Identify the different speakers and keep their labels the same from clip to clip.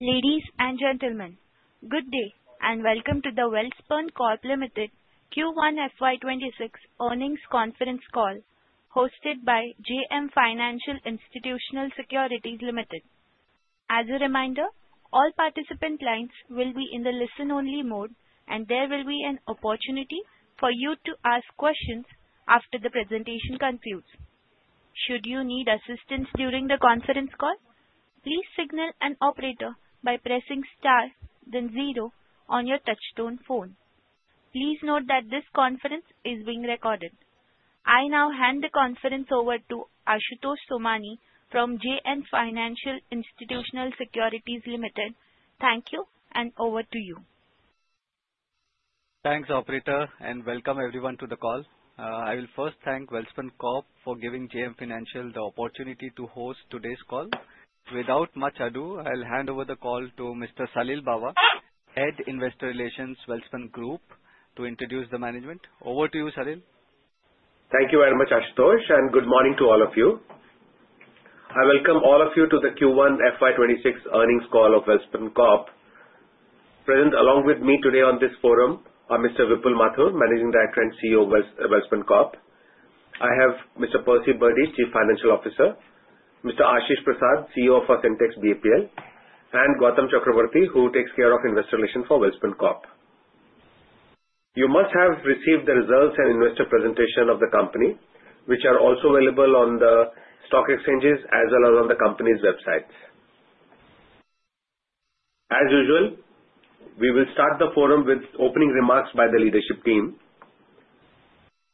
Speaker 1: Ladies and gentlemen, good day and welcome to the Welspun Corp Ltd. Q1 FY26 Earnings Conference Call, hosted by JM Financial Institutional Securities, Ltd. As a reminder, all participant lines will be in the listen-only mode, and there will be an opportunity for you to ask questions after the presentation concludes. Should you need assistance during the conference call, please signal an operator by pressing star, then zero on your touch-tone phone. Please note that this conference is being recorded. I now hand the conference over to Ashutosh Somani from JM Financial Institutional Securities, Ltd. Thank you, and over to you.
Speaker 2: Thanks, Operator, and welcome everyone to the call. I will first thank Welspun Corp for giving JM Financial the opportunity to host today's call. Without much ado, I'll hand over the call to Mr. Salil Bawa, Head Investor Relations, Welspun Group, to introduce the management. Over to you, Salil.
Speaker 3: Thank you very much, Ashutosh, and good morning to all of you. I welcome all of you to the Q1 FY26 Earnings Call of Welspun Corp. Present along with me today on this forum are Mr. Vipul Mathur, Managing Director and CEO of Welspun Corp. I have Mr. Percy Birdy, Chief Financial Officer, Mr. Ashish Prasad, CEO of Sintex-BAPL, and Gautam Chakravarti, who takes care of investor relations for Welspun Corp. You must have received the results and investor presentation of the company, which are also available on the stock exchanges as well as on the company's websites. As usual, we will start the forum with opening remarks by the leadership team.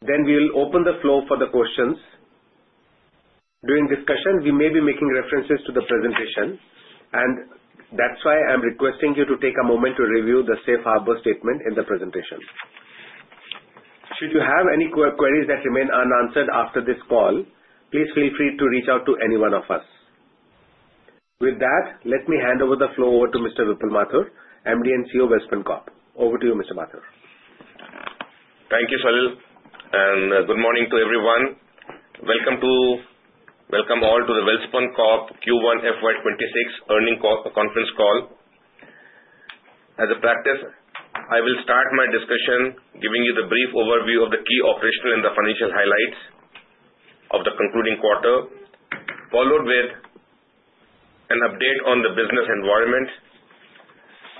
Speaker 3: Then we will open the floor for the questions. During discussion, we may be making references to the presentation, and that's why I'm requesting you to take a moment to review the safe harbor statement in the presentation. Should you have any queries that remain unanswered after this call, please feel free to reach out to any one of us. With that, let me hand over the floor to Mr. Vipul Mathur, MD and CEO of Welspun Corp. Over to you, Mr. Mathur.
Speaker 4: Thank you, Salil, and good morning to everyone. Welcome all to the Welspun Corp Q1 FY26 Earnings Conference Call. As a practice, I will start my discussion giving you the brief overview of the key operational and the financial highlights of the concluding quarter, followed with an update on the business environment,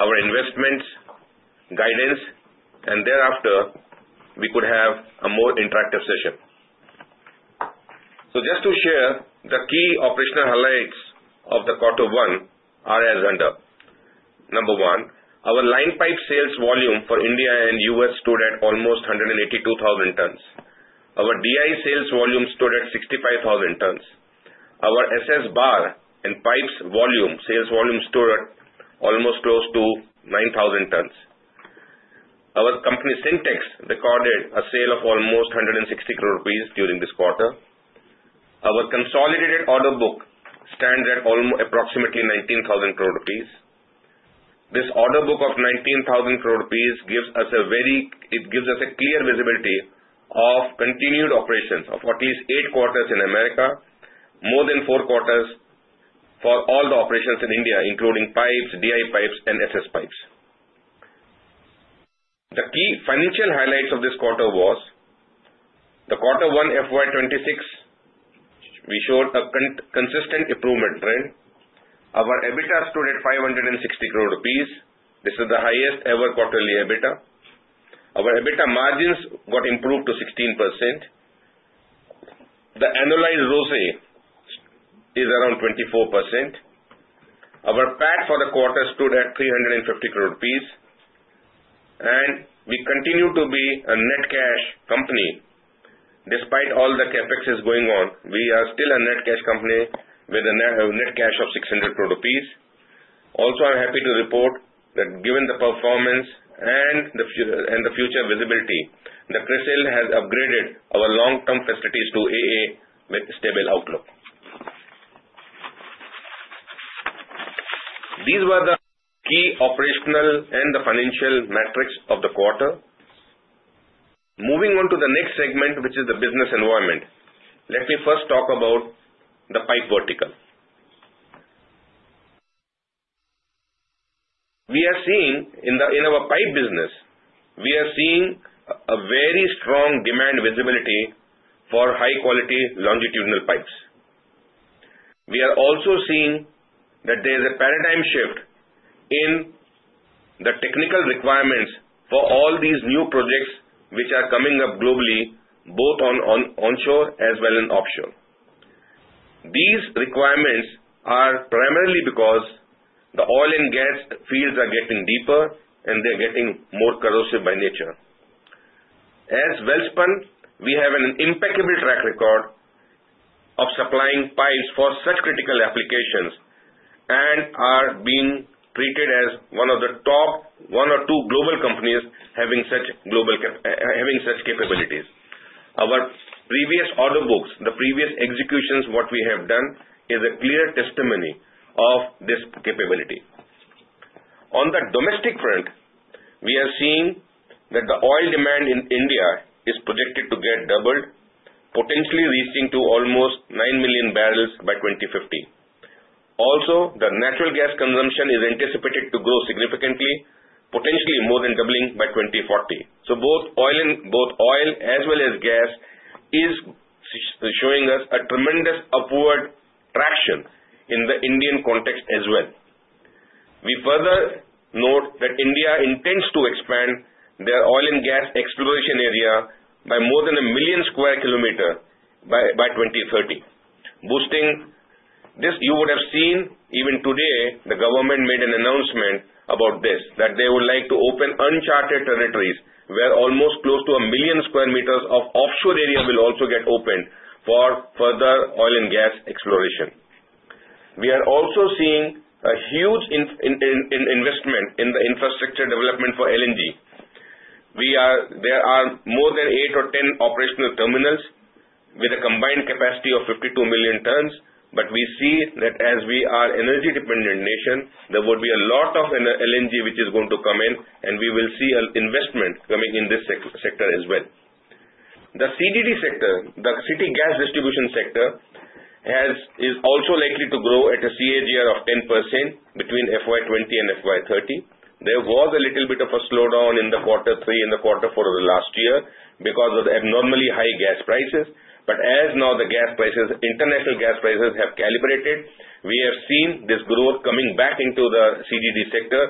Speaker 4: our investment guidance, and thereafter, we could have a more interactive session. Just to share, the key operational highlights of the quarter one are as under: Number one, our line pipe sales volume for India and U.S. stood at almost 182,000 tons. Our DI sales volume stood at 65,000 tons. Our SS bar and pipes sales volume stood at almost close to 9,000 tons. Our company Sintex recorded a sale of almost 160 crore rupees during this quarter. Our consolidated order book stands at approximately 19,000 crore rupees. This order book of 19,000 crore rupees gives us a clear visibility of continued operations of at least eight quarters in America, more than four quarters for all the operations in India, including pipes, DI pipes, and SS pipes. The key financial highlights of this quarter was the quarter one FY26. We showed a consistent improvement trend. Our EBITDA stood at 560 crore rupees. This is the highest ever quarterly EBITDA. Our EBITDA margins got improved to 16%. The annualized ROCE is around 24%. Our PAT for the quarter stood at 350 crore rupees, and we continue to be a net cash company. Despite all the CapEx going on, we are still a net cash company with a net cash of 600 crore rupees. Also, I'm happy to report that given the performance and the future visibility, the CRISIL has upgraded our long-term facilities to AA with a stable outlook. These were the key operational and the financial metrics of the quarter. Moving on to the next segment, which is the business environment, let me first talk about the pipe vertical. We are seeing in our pipe business, we are seeing a very strong demand visibility for high-quality longitudinal pipes. We are also seeing that there is a paradigm shift in the technical requirements for all these new projects which are coming up globally, both onshore as well as offshore. These requirements are primarily because the oil and gas fields are getting deeper, and they're getting more corrosive by nature. As Welspun, we have an impeccable track record of supplying pipes for such critical applications and are being treated as one of the top one or two global companies having such capabilities. Our previous order books, the previous executions, what we have done is a clear testimony of this capability. On the domestic front, we are seeing that the oil demand in India is projected to get doubled, potentially reaching to almost nine million barrels by 2050. Also, the natural gas consumption is anticipated to grow significantly, potentially more than doubling by 2040. So both oil as well as gas is showing us a tremendous upward traction in the Indian context as well. We further note that India intends to expand their oil and gas exploration area by more than one million square kilometers by 2030, boosting. This you would have seen even today, the government made an announcement about this that they would like to open uncharted territories where almost close to a million sq m of offshore area will also get opened for further oil and gas exploration. We are also seeing a huge investment in the infrastructure development for LNG. There are more than eight or 10 operational terminals with a combined capacity of 52 million tons, but we see that as we are an energy-dependent nation, there would be a lot of LNG which is going to come in, and we will see an investment coming in this sector as well. The CGD sector, the city gas distribution sector, is also likely to grow at a CAGR of 10% between FY20 and FY30. There was a little bit of a slowdown in the quarter three and the quarter four of the last year because of the abnormally high gas prices, but as now the gas prices, international gas prices have calibrated, we have seen this growth coming back into the CGD sector.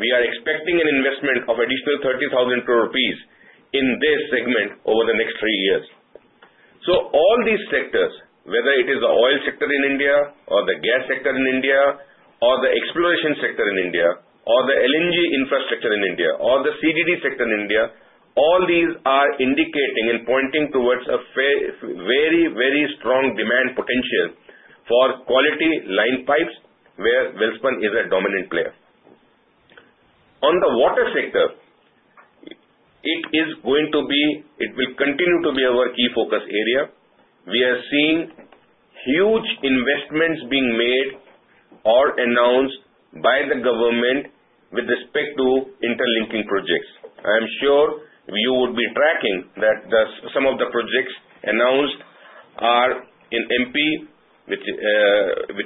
Speaker 4: We are expecting an investment of additional 30,000 crore rupees in this segment over the next three years. So all these sectors, whether it is the oil sector in India, or the gas sector in India, or the exploration sector in India, or the LNG infrastructure in India, or the CGD sector in India, all these are indicating and pointing towards a very, very strong demand potential for quality line pipes where Welspun is a dominant player. On the water sector, it is going to be. It will continue to be our key focus area. We are seeing huge investments being made or announced by the government with respect to interlinking projects. I am sure you would be tracking that some of the projects announced are in MP, which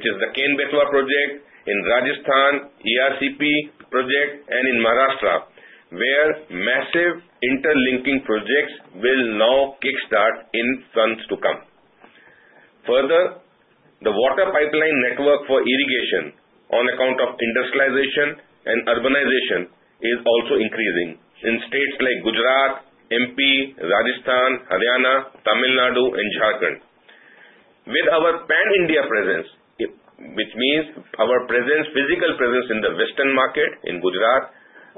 Speaker 4: is the Ken-Betwa project, in Rajasthan, ERCP project, and in Maharashtra, where massive interlinking projects will now kickstart in months to come. Further, the water pipeline network for irrigation on account of industrialization and urbanization is also increasing in states like Gujarat, MP, Rajasthan, Haryana, Tamil Nadu, and Jharkhand. With our pan-India presence, which means our physical presence in the western market in Gujarat,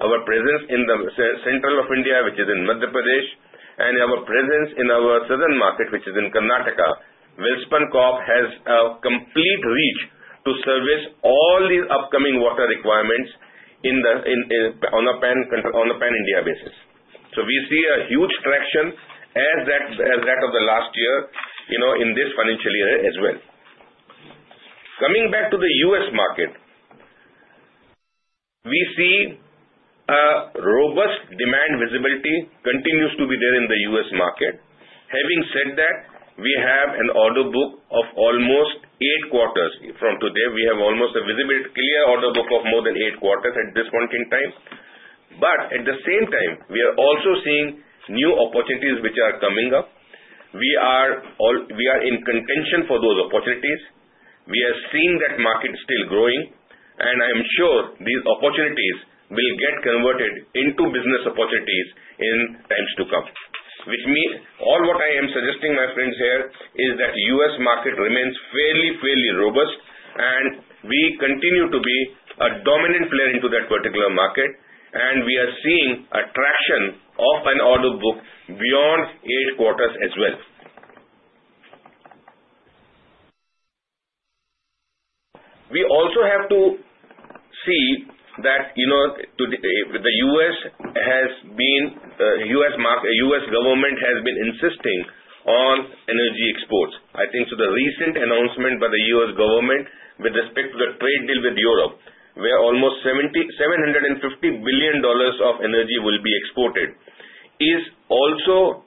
Speaker 4: our presence in the central of India, which is in Madhya Pradesh, and our presence in our southern market, which is in Karnataka, Welspun Corp has a complete reach to service all these upcoming water requirements on a pan-India basis. We see a huge traction as that of the last year in this financial year as well. Coming back to the U.S. market, we see a robust demand visibility continues to be there in the U.S. market. Having said that, we have an order book of almost eight quarters. From today, we have almost a clear order book of more than eight quarters at this point in time. But at the same time, we are also seeing new opportunities which are coming up. We are in contention for those opportunities. We are seeing that market still growing, and I am sure these opportunities will get converted into business opportunities in times to come. All what I am suggesting, my friends here, is that the U.S. market remains fairly, fairly robust, and we continue to be a dominant player into that particular market, and we are seeing a traction of an order book beyond eight quarters as well. We also have to see that the U.S. government has been insisting on energy exports. I think the recent announcement by the U.S. government with respect to the trade deal with Europe, where almost $750 billion of energy will be exported, is also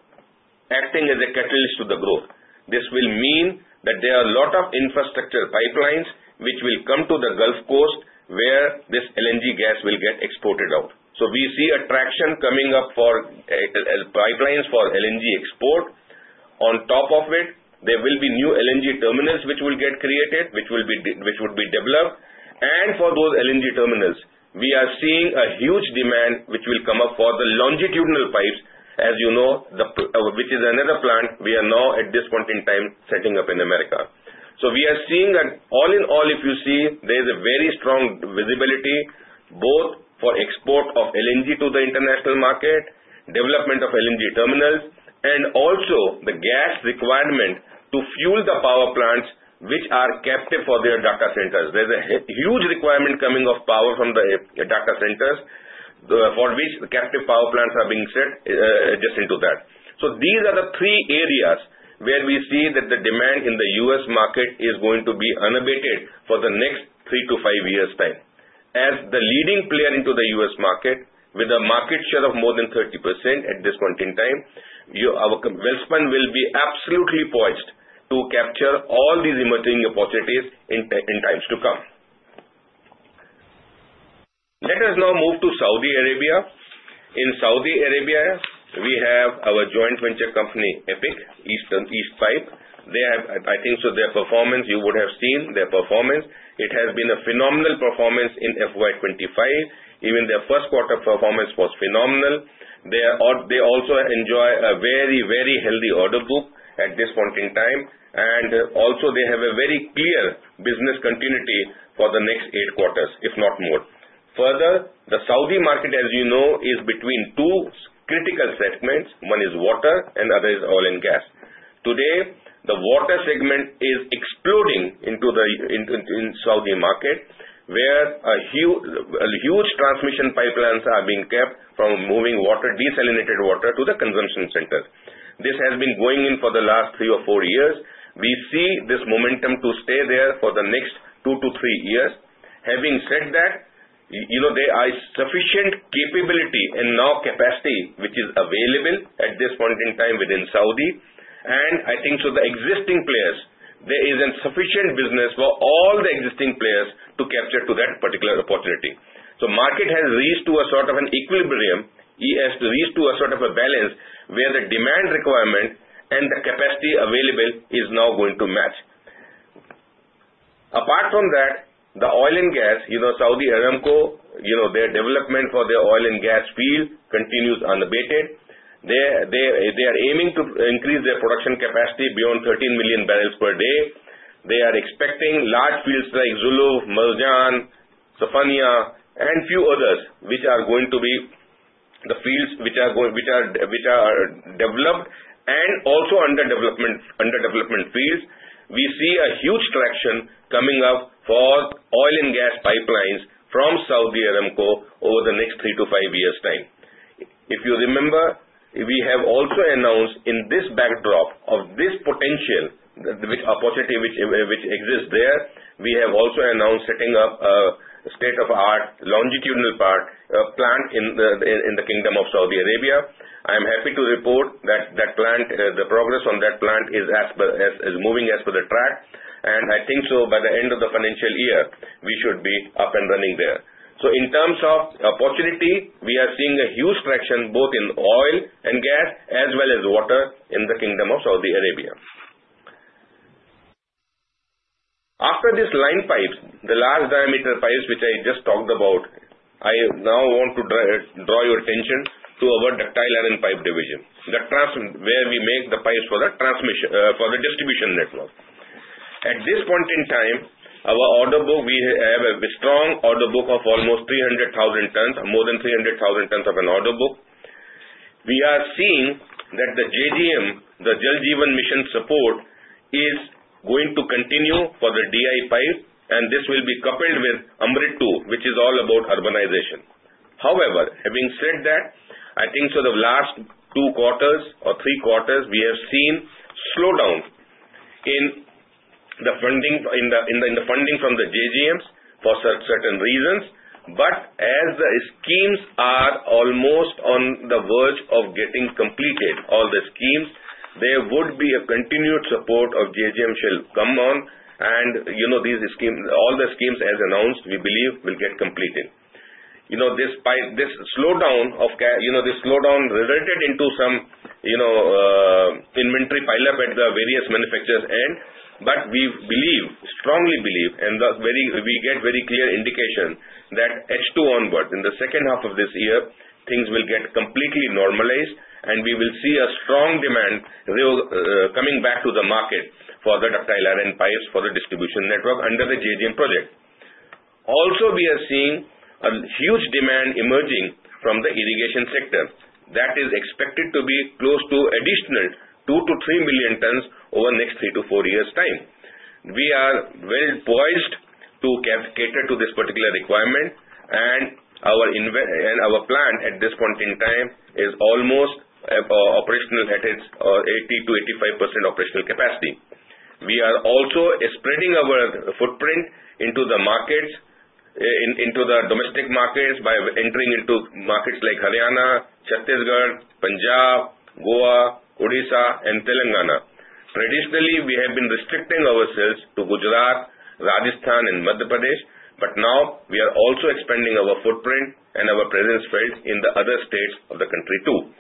Speaker 4: acting as a catalyst to the growth. This will mean that there are a lot of infrastructure pipelines which will come to the Gulf Coast where this LNG gas will get exported out. So we see a traction coming up for pipelines for LNG export. On top of it, there will be new LNG terminals which will get created, which would be developed. And for those LNG terminals, we are seeing a huge demand which will come up for the longitudinal pipes, as you know, which is another plant we are now at this point in time setting up in America. So we are seeing that all in all, if you see, there is a very strong visibility both for export of LNG to the international market, development of LNG terminals, and also the gas requirement to fuel the power plants which are captive for their data centers. There's a huge requirement coming of power from the data centers for which captive power plants are being set just into that. So these are the three areas where we see that the demand in the U.S. market is going to be unabated for the next three to five years' time. As the leading player into the US market with a market share of more than 30% at this point in time, Welspun will be absolutely poised to capture all these emerging opportunities in times to come. Let us now move to Saudi Arabia. In Saudi Arabia, we have our joint venture company, EPIC, East Pipes. I think their performance, you would have seen their performance. It has been a phenomenal performance in FY25. Even their first quarter performance was phenomenal. They also enjoy a very, very healthy order book at this point in time, and also they have a very clear business continuity for the next eight quarters, if not more. Further, the Saudi market, as you know, is between two critical segments. One is water, and the other is oil and gas. Today, the water segment is exploding in the Saudi market where huge transmission pipelines are being kept from moving desalinated water to the consumption centers. This has been going on for the last three or four years. We see this momentum to stay there for the next two to three years. Having said that, there is sufficient capability and now capacity which is available at this point in time within Saudi, and I think to the existing players, there is sufficient business for all the existing players to capture to that particular opportunity. So the market has reached to a sort of an equilibrium, has reached to a sort of a balance where the demand requirement and the capacity available is now going to match. Apart from that, the oil and gas, Saudi Aramco, their development for their oil and gas field continues unabated. They are aiming to increase their production capacity beyond 13 million barrels per day. They are expecting large fields like Zuluf, Marjan, Safaniya, and a few others which are going to be the fields which are developed and also underdevelopment fields. We see a huge traction coming up for oil and gas pipelines from Saudi Aramco over the next three-to-five years' time. If you remember, we have also announced in this backdrop of this potential opportunity which exists there, we have also announced setting up a state-of-the-art longitudinal plant in the Kingdom of Saudi Arabia. I am happy to report that the progress on that plant is moving on track, and I think by the end of the financial year, we should be up and running there. In terms of opportunity, we are seeing a huge traction both in oil and gas as well as water in the Kingdom of Saudi Arabia. After these line pipes, the large diameter pipes which I just talked about, I now want to draw your attention to our ductile iron pipe division, where we make the pipes for the distribution network. At this point in time, our order book, we have a strong order book of almost 300,000 tons, more than 300,000 tons of an order book. We are seeing that the JJM, the Jal Jeevan Mission support, is going to continue for the DI pipe, and this will be coupled with AMRUT 2, which is all about urbanization. However, having said that, I think, so the last two quarters or three quarters, we have seen a slowdown in the funding from the JJMs for certain reasons. But as the schemes are almost on the verge of getting completed, all the schemes, there would be a continued support of JJM shall come on, and all the schemes, as announced, we believe, will get completed. This slowdown resulted in some inventory pile-up at the various manufacturers' end, but we believe, strongly believe, and we get very clear indication that H2 onward, in the second half of this year, things will get completely normalized, and we will see a strong demand coming back to the market for the ductile iron pipes for the distribution network under the JJM project. Also, we are seeing a huge demand emerging from the irrigation sector that is expected to be close to additional two to three million tons over the next three to four years' time. We are well poised to cater to this particular requirement, and our plant at this point in time is almost operational at its 80%-85% operational capacity. We are also spreading our footprint into the domestic markets by entering into markets like Haryana, Chhattisgarh, Punjab, Goa, Odisha, and Telangana. Traditionally, we have been restricting ourselves to Gujarat, Rajasthan, and Madhya Pradesh, but now we are also expanding our footprint and our presence fields in the other states of the country too,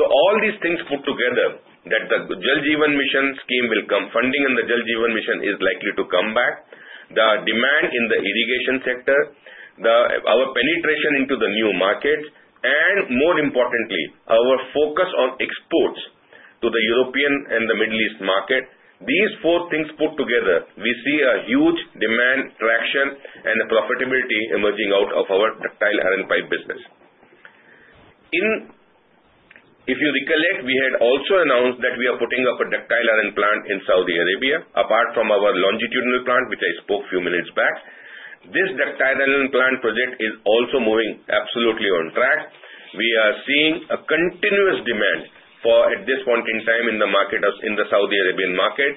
Speaker 4: so all these things put together that the Jal Jeevan Mission scheme will come, funding in the Jal Jeevan Mission is likely to come back, the demand in the irrigation sector, our penetration into the new markets, and more importantly, our focus on exports to Europe and the Middle East market. These four things put together, we see a huge demand, traction, and profitability emerging out of our ductile iron pipe business. If you recollect, we had also announced that we are putting up a ductile iron plant in Saudi Arabia. Apart from our longitudinal plant, which I spoke a few minutes back, this ductile iron plant project is also moving absolutely on track. We are seeing a continuous demand at this point in time in the Saudi Arabian market.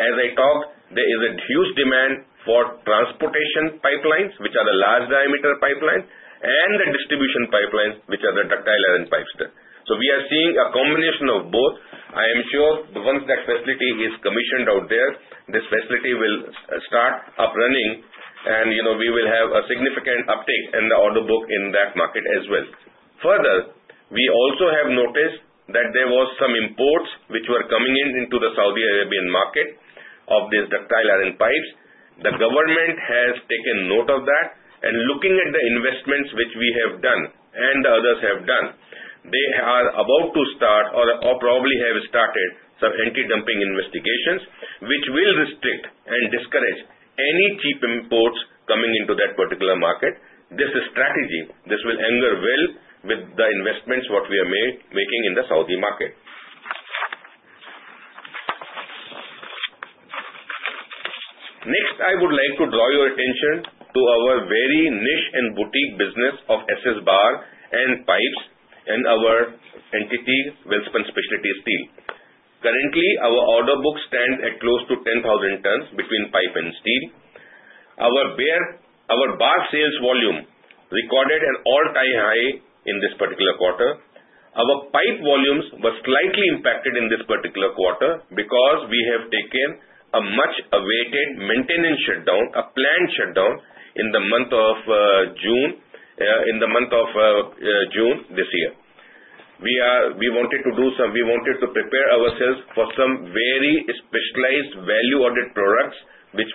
Speaker 4: As I talk, there is a huge demand for transportation pipelines, which are the large diameter pipelines, and the distribution pipelines, which are the ductile iron pipes. So we are seeing a combination of both. I am sure once that facility is commissioned out there, this facility will start up running, and we will have a significant uptake in the order book in that market as well. Further, we also have noticed that there were some imports which were coming into the Saudi Arabian market of these ductile iron pipes. The government has taken note of that, and looking at the investments which we have done and the others have done, they are about to start or probably have started some anti-dumping investigations which will restrict and discourage any cheap imports coming into that particular market. This strategy, this will augur well with the investments what we are making in the Saudi market. Next, I would like to draw your attention to our very niche and boutique business of SS bar and Pipes and our entity, Welspun Specialty Steel. Currently, our order book stands at close to 10,000 tons between pipe and steel. Our bar sales volume recorded an all-time high in this particular quarter. Our pipe volumes were slightly impacted in this particular quarter because we have taken a much-awaited maintenance shutdown, a planned shutdown in the month of June, in the month of June this year. We wanted to prepare ourselves for some very specialized value-added products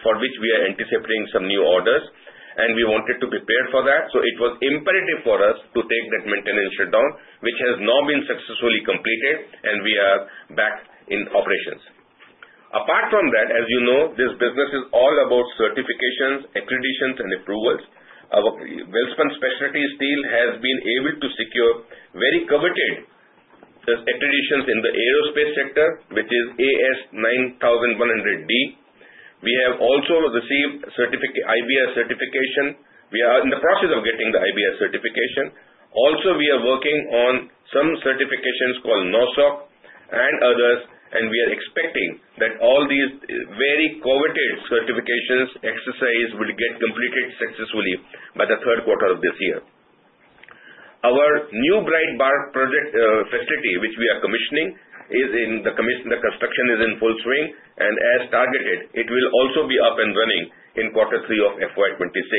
Speaker 4: for which we are anticipating some new orders, and we wanted to prepare for that. So it was imperative for us to take that maintenance shutdown, which has now been successfully completed, and we are back in operations. Apart from that, as you know, this business is all about certifications, accreditations, and approvals. Welspun Specialty Steel has been able to secure very coveted accreditations in the aerospace sector, which is AS9100D. We have also received BIS certification. We are in the process of getting the BIS certification. Also, we are working on some certifications called NORSOK and others, and we are expecting that all these very coveted certifications exercise would get completed successfully by the third quarter of this year. Our new bright bar facility, which we are commissioning, its construction is in full swing, and as targeted, it will also be up and running in quarter three of FY26.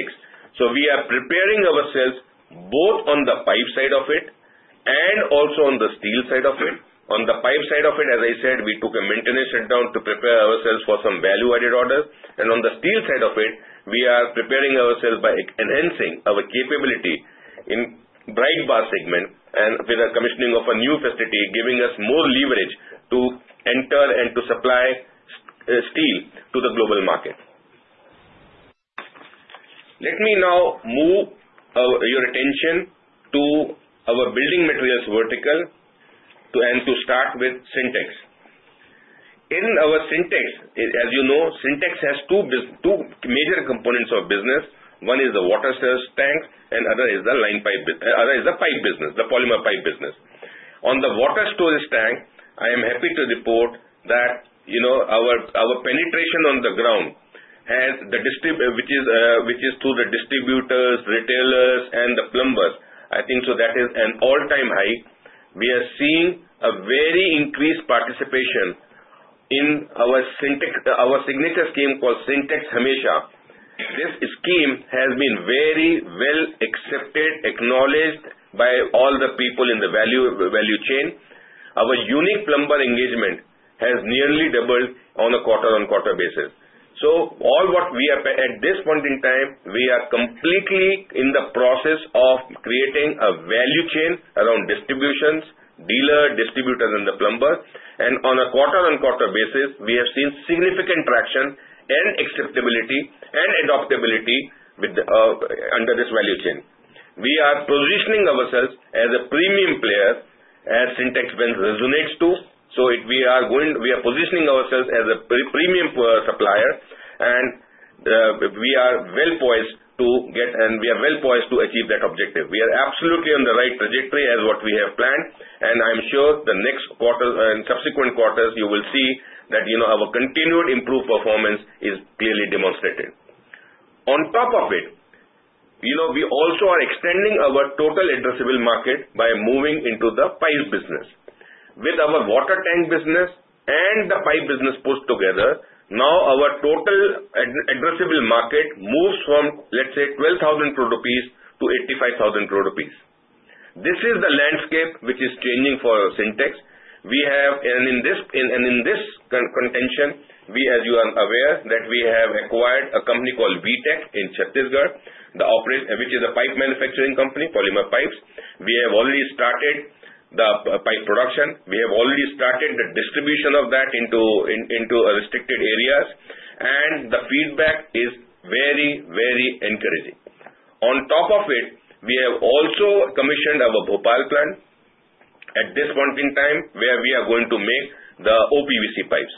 Speaker 4: So we are preparing ourselves both on the pipe side of it and also on the steel side of it. On the pipe side of it, as I said, we took a maintenance shutdown to prepare ourselves for some value-added orders, and on the steel side of it, we are preparing ourselves by enhancing our capability in bright bar segment with the commissioning of a new facility, giving us more leverage to enter and to supply steel to the global market. Let me now move your attention to our building materials vertical and to start with Sintex. In our Sintex, as you know, Sintex has two major components of business. One is the water storage tanks, and other is the line pipe business, the polymer pipe business. On the water storage tank, I am happy to report that our penetration on the ground, which is through the distributors, retailers, and the plumbers, I think so that is an all-time high. We are seeing a very increased participation in our signature scheme called Sintex Hamesha. This scheme has been very well accepted, acknowledged by all the people in the value chain. Our unique plumber engagement has nearly doubled on a quarter-on-quarter basis. So all what we have at this point in time, we are completely in the process of creating a value chain around distributions, dealer, distributor, and the plumber, and on a quarter-on-quarter basis, we have seen significant traction and acceptability and adoptability under this value chain. We are positioning ourselves as a premium player, as Sintex resonates to. So we are positioning ourselves as a premium supplier, and we are well poised to get, and we are well poised to achieve that objective. We are absolutely on the right trajectory as what we have planned, and I am sure the next quarter and subsequent quarters, you will see that our continued improved performance is clearly demonstrated. On top of it, we also are extending our total addressable market by moving into the pipe business. With our water tank business and the pipe business put together, now our total addressable market moves from, let's say, 12,000 crore rupees to 85,000 crore rupees. This is the landscape which is changing for Sintex. In this context, as you are aware, that we have acquired a company called Weetek in Chhattisgarh, which is a pipe manufacturing company, polymer pipes. We have already started the pipe production. We have already started the distribution of that into restricted areas, and the feedback is very, very encouraging. On top of it, we have also commissioned our Bhopal plant at this point in time, where we are going to make the OPVC pipes.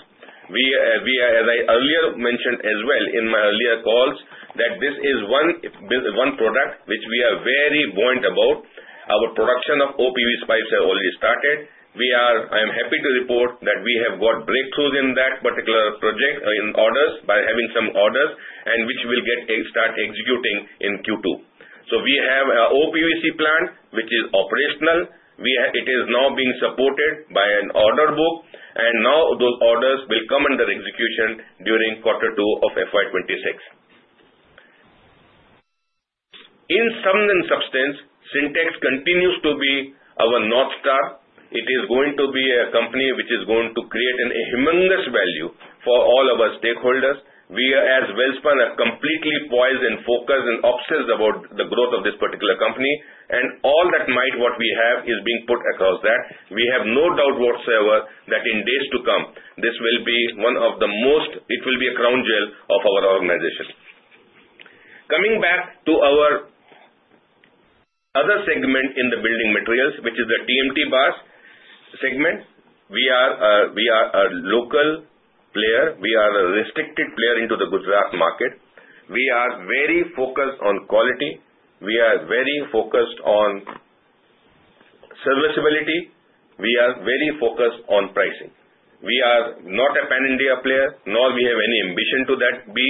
Speaker 4: As I earlier mentioned as well in my earlier calls, that this is one product which we are very buoyant about. Our production of OPVC pipes has already started. I am happy to report that we have got breakthroughs in that particular project in orders by having some orders, and which we will start executing in Q2. So we have an OPVC plant which is operational. It is now being supported by an order book, and now those orders will come under execution during quarter two of FY26. In sums and substance, Sintex continues to be our North Star. It is going to be a company which is going to create a humongous value for all of our stakeholders. We are, as Welspun, completely poised and focused and obsessed about the growth of this particular company, and all that might what we have is being put across that. We have no doubt whatsoever that in days to come, this will be one of the most. It will be a crown jewel of our organization. Coming back to our other segment in the building materials, which is the TMT bars segment, we are a local player. We are a restricted player into the Gujarat market. We are very focused on quality. We are very focused on serviceability. We are very focused on pricing. We are not a Pan India player, nor do we have any ambition to that be,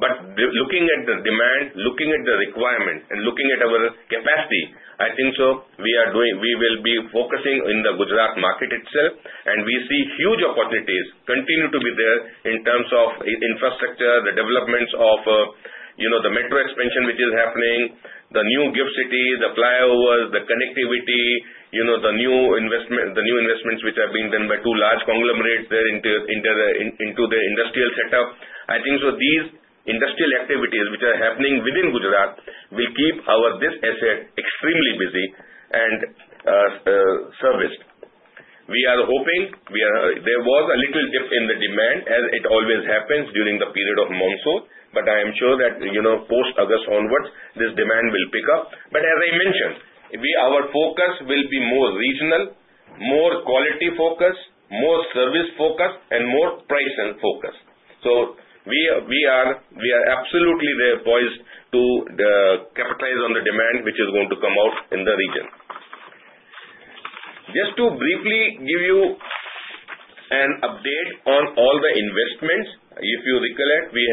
Speaker 4: but looking at the demand, looking at the requirement, and looking at our capacity, I think so we will be focusing in the Gujarat market itself, and we see huge opportunities continue to be there in terms of infrastructure, the developments of the metro expansion which is happening, the new GIFT City, the flyovers, the connectivity, the new investments which are being done by two large conglomerates into the industrial setup. I think so these industrial activities which are happening within Gujarat will keep this asset extremely busy and serviced. We are hoping there was a little dip in the demand, as it always happens during the period of monsoon, but I am sure that post-August onwards, this demand will pick up. But as I mentioned, our focus will be more regional, more quality focus, more service focus, and more price focus. So we are absolutely poised to capitalize on the demand which is going to come out in the region. Just to briefly give you an update on all the investments, if you recollect, we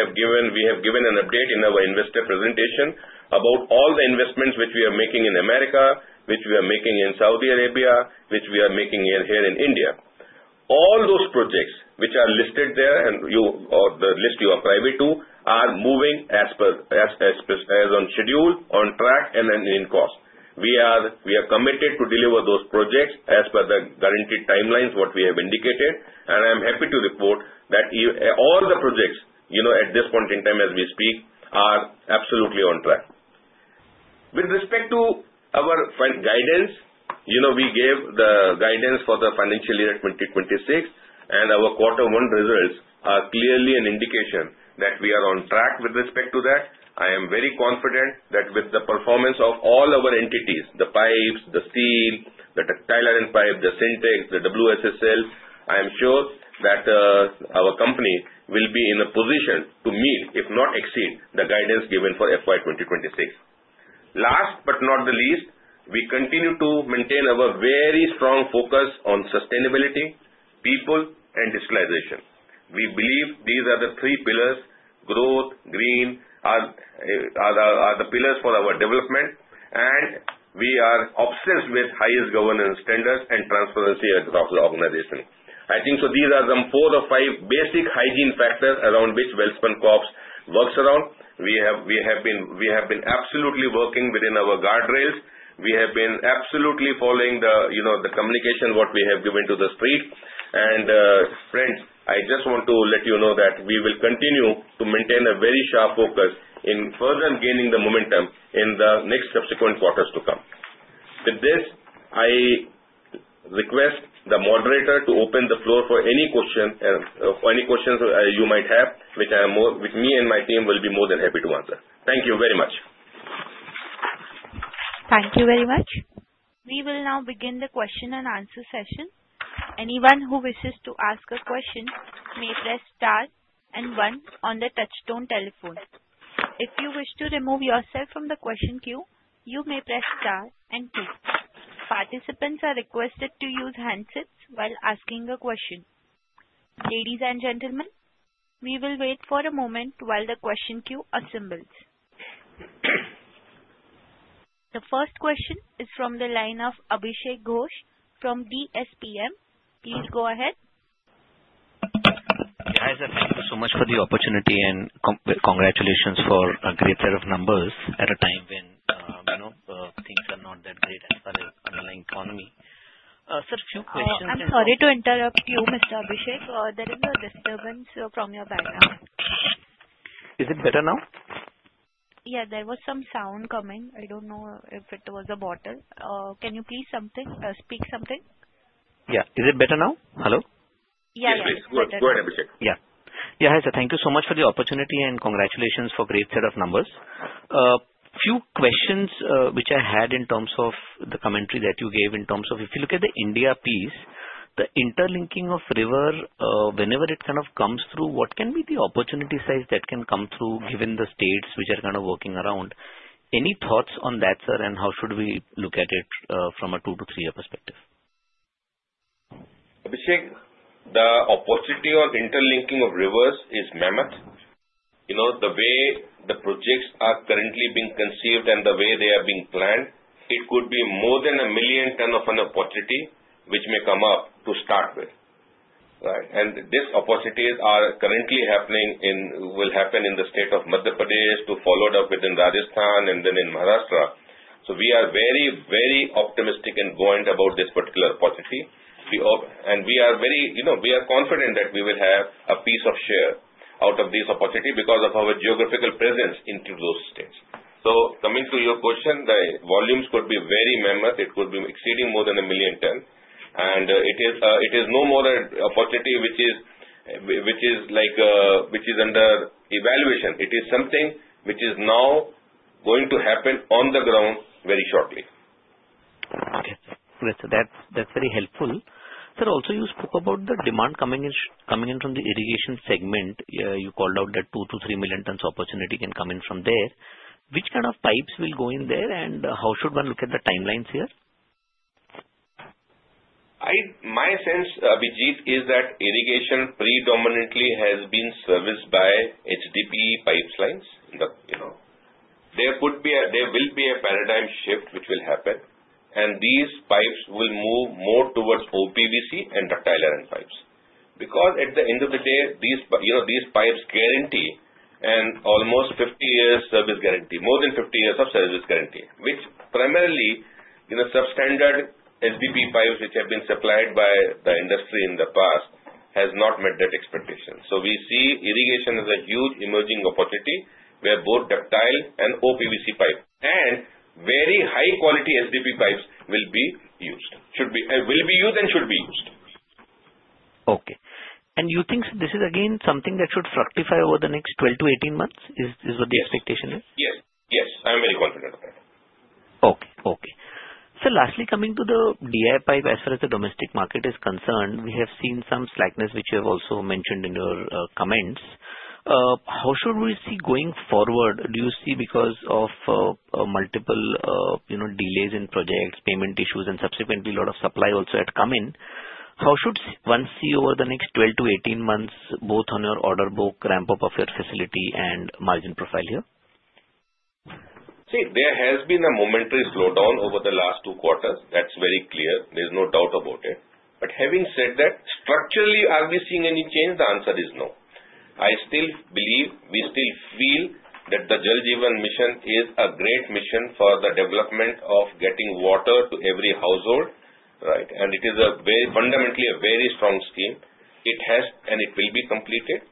Speaker 4: have given an update in our investor presentation about all the investments which we are making in America, which we are making in Saudi Arabia, which we are making here in India. All those projects which are listed there and the list you are privy to are moving as on schedule, on track, and in course. We are committed to deliver those projects as per the guaranteed timelines what we have indicated, and I am happy to report that all the projects at this point in time as we speak are absolutely on track. With respect to our guidance, we gave the guidance for the financial year 2026, and our quarter one results are clearly an indication that we are on track with respect to that. I am very confident that with the performance of all our entities, the pipes, the steel, the ductile iron pipe, the Sintex, the WSSL, I am sure that our company will be in a position to meet, if not exceed, the guidance given for FY26. Last but not the least, we continue to maintain our very strong focus on sustainability, people, and digitalization. We believe these are the three pillars: growth, green, are the pillars for our development, and we are obsessed with highest governance standards and transparency across the organization. I think so these are some four or five basic hygiene factors around which Welspun Corp works around. We have been absolutely working within our guardrails. We have been absolutely following the communication what we have given to the street. And friends, I just want to let you know that we will continue to maintain a very sharp focus in further gaining the momentum in the next subsequent quarters to come. With this, I request the moderator to open the floor for any questions you might have, which me and my team will be more than happy to answer. Thank you very much.
Speaker 1: Thank you very much. We will now begin the question and answer session. Anyone who wishes to ask a question may press star and one on the touch-tone telephone. If you wish to remove yourself from the question queue, you may press star and two. Participants are requested to use handsets while asking a question. Ladies and gentlemen, we will wait for a moment while the question queue assembles. The first question is from the line of Abhishek Ghosh from DSPM. Please go ahead.
Speaker 5: Guys, thank you so much for the opportunity and congratulations for a greater number at a time when things are not that great as far as underlying economy. Sir?
Speaker 1: I'm sorry to interrupt you, Mr. Abhishek. There is a disturbance from your background.
Speaker 5: Is it better now?
Speaker 1: Yeah, there was some sound coming. I don't know if it was a bottle. Can you please speak something?
Speaker 5: Yeah. Is it better now? Hello?
Speaker 1: Yeah, yeah.
Speaker 4: Yes, please. Go ahead, Abhishek.
Speaker 5: Yeah. Yeah, hi sir. Thank you so much for the opportunity and congratulations for a great set of numbers. Few questions which I had in terms of the commentary that you gave in terms of if you look at the India piece, the interlinking of river, whenever it kind of comes through, what can be the opportunity size that can come through given the states which are kind of working around? Any thoughts on that, sir, and how should we look at it from a two to three-year perspective?
Speaker 4: Abhishek, the opportunity of interlinking of rivers is mammoth. The way the projects are currently being conceived and the way they are being planned, it could be more than a million tons of an opportunity which may come up to start with. Right? And these opportunities are currently happening and will happen in the state of Madhya Pradesh to follow it up within Rajasthan and then in Maharashtra. So we are very, very optimistic and buoyant about this particular opportunity. And we are very confident that we will have a fair share out of this opportunity because of our geographical presence into those states. So coming to your question, the volumes could be very mammoth. It could be exceeding more than a million tons. And it is no more an opportunity which is under evaluation. It is something which is now going to happen on the ground very shortly.
Speaker 5: Okay. So that's very helpful. Sir, also you spoke about the demand coming in from the irrigation segment. You called out that two to three million ton opportunity can come in from there. Which kind of pipes will go in there, and how should one look at the timelines here?
Speaker 4: My sense, Abhishek, is that irrigation predominantly has been serviced by HDPE pipelines. There will be a paradigm shift which will happen, and these pipes will move more towards OPVC and ductile iron pipes. Because at the end of the day, these pipes guarantee an almost 50-year service guarantee, more than 50 years of service guarantee, which primarily substandard HDPE pipes which have been supplied by the industry in the past has not met that expectation. So we see irrigation as a huge emerging opportunity where both ductile and OPVC pipe and very high-quality HDPE pipes will be used, will be used and should be used.
Speaker 5: Okay. And you think this is again something that should fructify over the next 12-18 months is what the expectation is?
Speaker 4: Yes. Yes. I'm very confident of that.
Speaker 5: Okay. So lastly, coming to the DI pipe as far as the domestic market is concerned, we have seen some slackness which you have also mentioned in your comments. How should we see going forward? Do you see because of multiple delays in projects, payment issues, and subsequently a lot of supply also had come in, how should one see over the next 12-18 months both on your order book, ramp up of your facility, and margin profile here?
Speaker 4: See, there has been a momentary slowdown over the last two quarters. That's very clear. There's no doubt about it. But having said that, structurally, are we seeing any change? The answer is no. I still believe we still feel that the Jal Jeevan Mission is a great mission for the development of getting water to every household. Right? And it is fundamentally a very strong scheme. It has and it will be completed.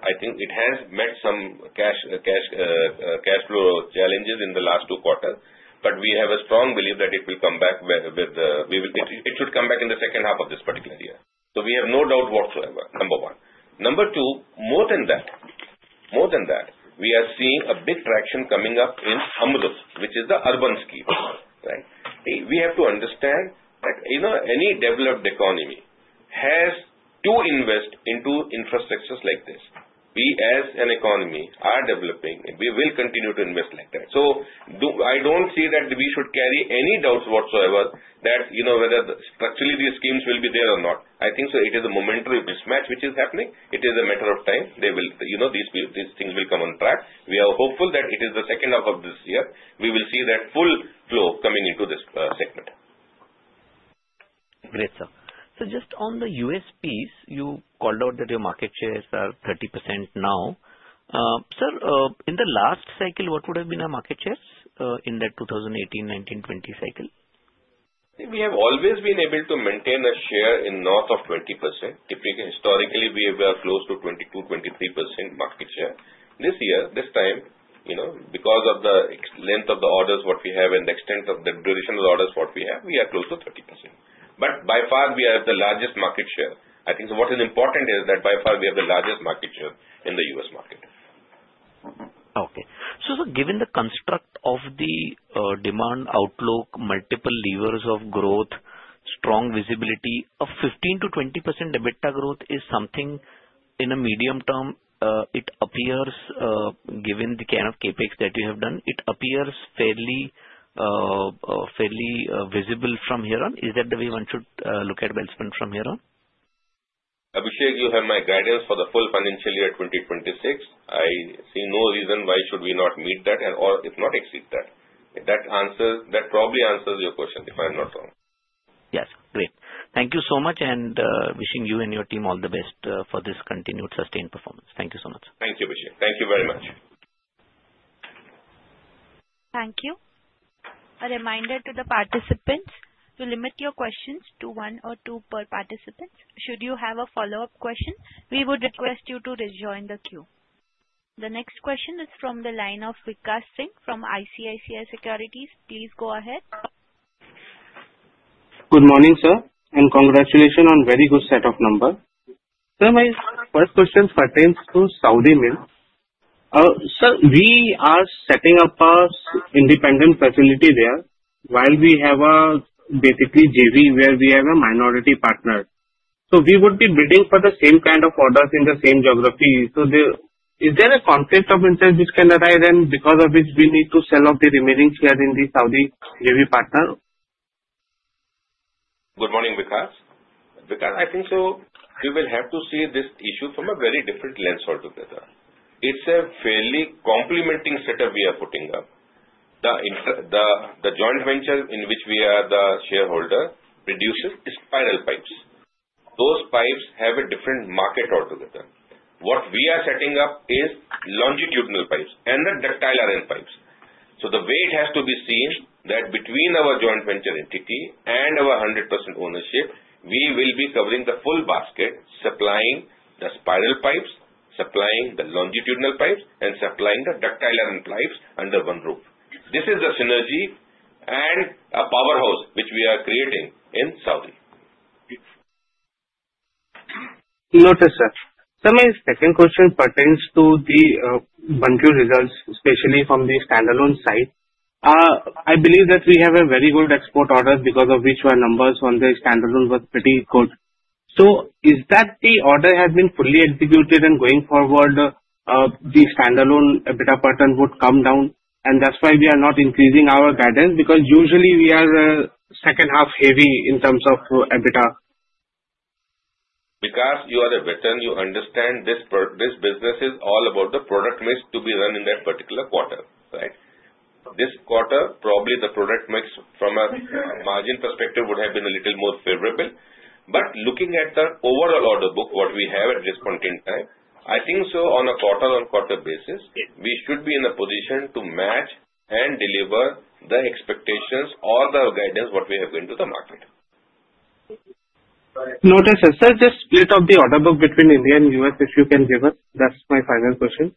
Speaker 4: I think it has met some cash flow challenges in the last two quarters, but we have a strong belief that it will come back with it should come back in the second half of this particular year. So we have no doubt whatsoever, number one. Number two, more than that, more than that, we are seeing a big traction coming up in AMRUT, which is the urban scheme. Right? We have to understand that any developed economy has to invest into infrastructures like this. We, as an economy, are developing. We will continue to invest like that. So I don't see that we should carry any doubts whatsoever that whether structurally these schemes will be there or not. I think so it is a momentary mismatch which is happening. It is a matter of time. These things will come on track. We are hopeful that it is the second half of this year. We will see that full flow coming into this segment.
Speaker 5: Great sir. So just on the U.S. piece, you called out that your market shares are 30% now. Sir, in the last cycle, what would have been our market shares in that 2018, 2019, 2020 cycle?
Speaker 4: We have always been able to maintain a share in north of 20%. Historically, we were close to 22%-23% market share. This year, this time, because of the length of the orders what we have and the extent of the duration of the orders what we have, we are close to 30%. But by far, we have the largest market share. I think so what is important is that by far we have the largest market share in the US market.
Speaker 5: Okay. So given the construct of the demand outlook, multiple levers of growth, strong visibility, a 15%-20% EBITDA growth is something in a medium term, it appears, given the kind of CapEx that you have done, it appears fairly visible from here on. Is that the way one should look at Welspun from here on?
Speaker 4: Abhishek, you have my guidance for the full financial year 2026. I see no reason why should we not meet that or if not exceed that. That probably answers your question if I'm not wrong.
Speaker 5: Yes. Great. Thank you so much and wishing you and your team all the best for this continued sustained performance. Thank you so much.
Speaker 4: Thank you, Abhishek. Thank you very much.
Speaker 1: Thank you. A reminder to the participants to limit your questions to one or two per participant. Should you have a follow-up question, we would request you to rejoin the queue. The next question is from the line of Vikash Singh from ICICI Securities. Please go ahead.
Speaker 6: Good morning, sir, and congratulations on a very good set of numbers. Sir, my first question pertains to Saudi mills. Sir, we are setting up our independent facility there. While we have a basically JV where we have a minority partner. So we would be bidding for the same kind of orders in the same geography. So is there a conflict of interest which can arise then because of which we need to sell off the remaining share in the Saudi JV partner?
Speaker 4: Good morning, Vikash. Vikash, I think so we will have to see this issue from a very different lens altogether. It's a fairly complementary setup we are putting up. The joint venture in which we are the shareholder produces spiral pipes. Those pipes have a different market altogether. What we are setting up is longitudinal pipes and the ductile iron pipes. So the way it has to be seen that between our joint venture entity and our 100% ownership, we will be covering the full basket, supplying the spiral pipes, supplying the longitudinal pipes, and supplying the ductile iron pipes under one roof. This is the synergy and a powerhouse which we are creating in Saudi.
Speaker 6: Noted, sir. Sir, my second question pertains to the Q2 results, especially from the standalone side. I believe that we have a very good export order because of which our numbers on the standalone were pretty good. So is that the order has been fully executed and going forward, the standalone EBITDA pattern would come down, and that's why we are not increasing our guidance because usually we are second half heavy in terms of EBITDA?
Speaker 4: Vikash, you are a veteran. You understand this business is all about the product mix to be run in that particular quarter. Right? This quarter, probably the product mix from a margin perspective would have been a little more favorable. But looking at the overall order book, what we have at this point in time, I think so on a quarter-on-quarter basis, we should be in a position to match and deliver the expectations or the guidance what we have given to the market.
Speaker 6: Noted, sir. Sir, the split of the order book between India and US, if you can give us, that's my final question.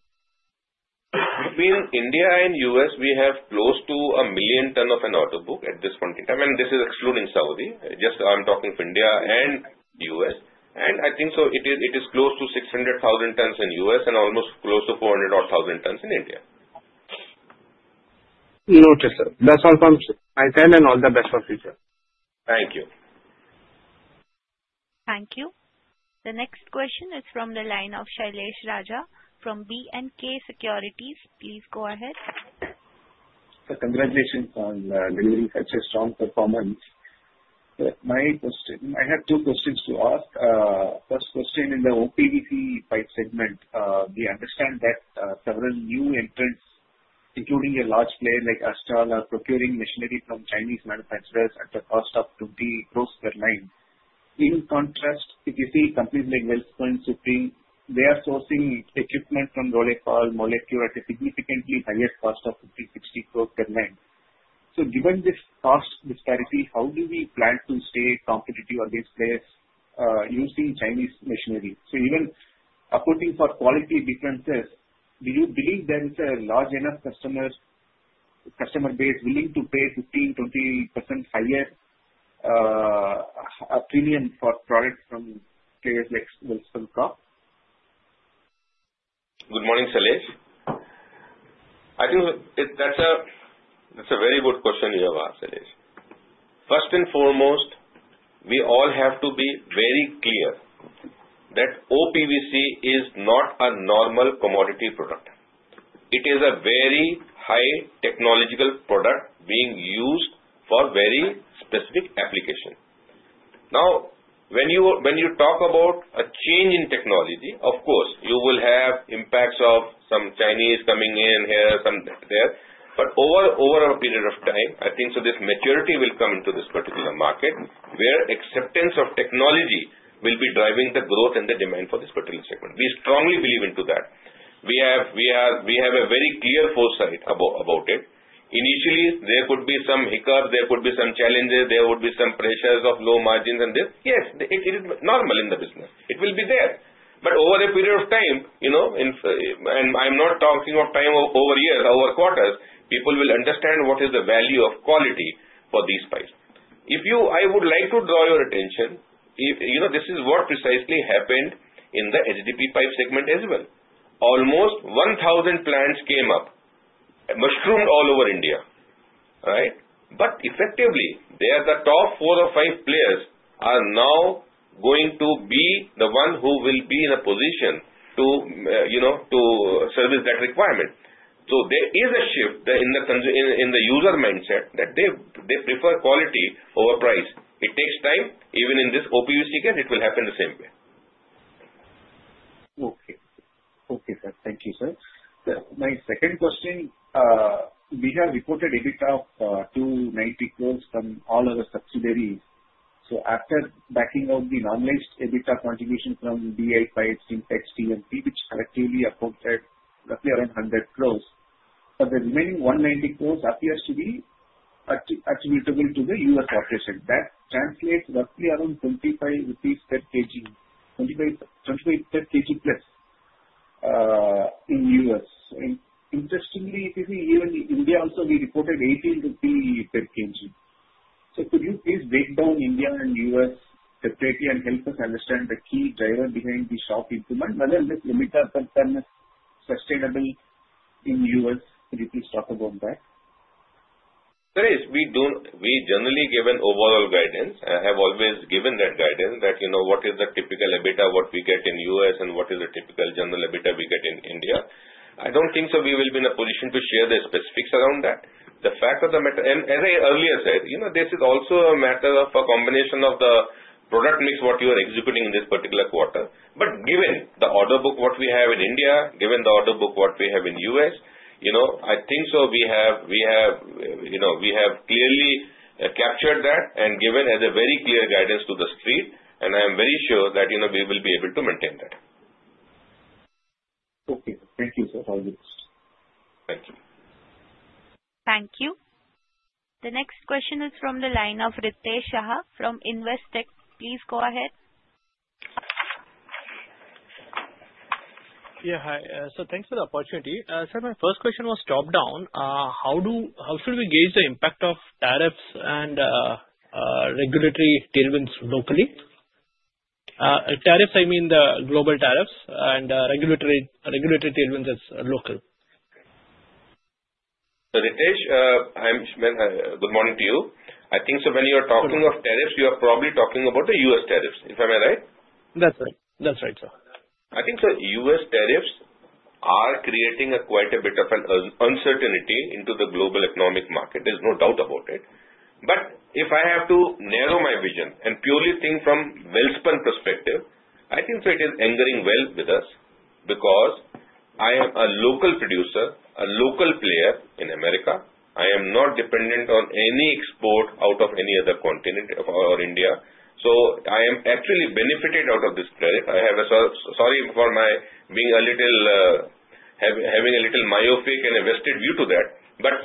Speaker 4: Between India and U.S., we have close to a million ton of an order book at this point in time. And this is excluding Saudi. Just I'm talking for India and U.S. And I think so it is close to 600,000 tons in U.S. and almost close to 400,000 tons in India.
Speaker 6: Noted, sir. That's all from my side and all the best for the future.
Speaker 4: Thank you.
Speaker 1: Thank you. The next question is from the line of Shailesh Raja from B&K Securities. Please go ahead.
Speaker 7: Sir, congratulations on delivering such a strong performance. My question, I have two questions to ask. First question, in the OPVC pipe segment, we understand that several new entrants, including a large player like Astral, are procuring machinery from Chinese manufacturers at a cost of 20 crores per line. In contrast, if you see companies like Welspun, Supreme, they are sourcing equipment from Rollepaal, Molecor at a significantly higher cost of 15-60 crores per line. So given this cost disparity, how do we plan to stay competitive against this using Chinese machinery? So even accounting for quality differences, do you believe there is a large enough customer base willing to pay 15-20% higher premium for products from players like Welspun Corp?
Speaker 4: Good morning, Shailesh. I think that's a very good question you have asked, Shailesh. First and foremost, we all have to be very clear that OPVC is not a normal commodity product. It is a very high technological product being used for very specific application. Now, when you talk about a change in technology, of course, you will have impacts of some Chinese coming in here, some there. But over a period of time, I think so this maturity will come into this particular market where acceptance of technology will be driving the growth and the demand for this particular segment. We strongly believe into that. We have a very clear foresight about it. Initially, there could be some hiccups, there could be some challenges, there would be some pressures of low margins and this. Yes, it is normal in the business. It will be there. But over a period of time, and I'm not talking of time over years, over quarters, people will understand what is the value of quality for these pipes. I would like to draw your attention. This is what precisely happened in the HDPE pipe segment as well. Almost 1,000 plants came up, mushroomed all over India. Right? But effectively, they are the top four or five players are now going to be the one who will be in a position to service that requirement. So there is a shift in the user mindset that they prefer quality over price. It takes time. Even in this OPVC case, it will happen the same way.
Speaker 7: Okay. Okay, sir. Thank you, sir. My second question, we have reported EBITDA of 290 crores from all other subsidiaries. So after backing out the normalized EBITDA contribution from DI pipes in TMT, which collectively accounted roughly around 100 crores, the remaining 190 crores appears to be attributable to the US operation. That translates roughly around 25 rupees per kg, 25 per kg plus in US. Interestingly, even India also, we reported 18 rupees per kg. So could you please break down India and US separately and help us understand the key driver behind the sharp increment? Whether this EBITDA component is sustainable in US, could you please talk about that?
Speaker 4: Shailesh, we generally given overall guidance and have always given that guidance that what is the typical EBITDA what we get in U.S. and what is the typical general EBITDA we get in India. I don't think so we will be in a position to share the specifics around that. The fact of the matter, and as I earlier said, this is also a matter of a combination of the product mix what you are executing in this particular quarter. But given the order book what we have in India, given the order book what we have in U.S., I think so we have clearly captured that and given as a very clear guidance to the street. And I am very sure that we will be able to maintain that.
Speaker 7: Okay. Thank you, sir. All the best.
Speaker 4: Thank you.
Speaker 1: Thank you. The next question is from the line of Ritesh Shah from Investec. Please go ahead.
Speaker 8: Yeah, hi. So thanks for the opportunity. Sir, my first question was top-down. How should we gauge the impact of tariffs and regulatory tailwinds locally? Tariffs, I mean the global tariffs and regulatory tailwinds as local.
Speaker 4: So, Ritesh, good morning to you. I think, so when you are talking of tariffs, you are probably talking about the U.S. tariffs, if I may right?
Speaker 8: That's right. That's right, sir.
Speaker 4: I think so U.S. tariffs are creating quite a bit of an uncertainty into the global economic market. There's no doubt about it, but if I have to narrow my vision and purely think from Welspun perspective, I think so it is aligning well with us because I am a local producer, a local player in America. I am not dependent on any export out of any other continent or India, so I am actually benefited out of this play. I have a, sorry for my being a little myopic and a vested view to that. But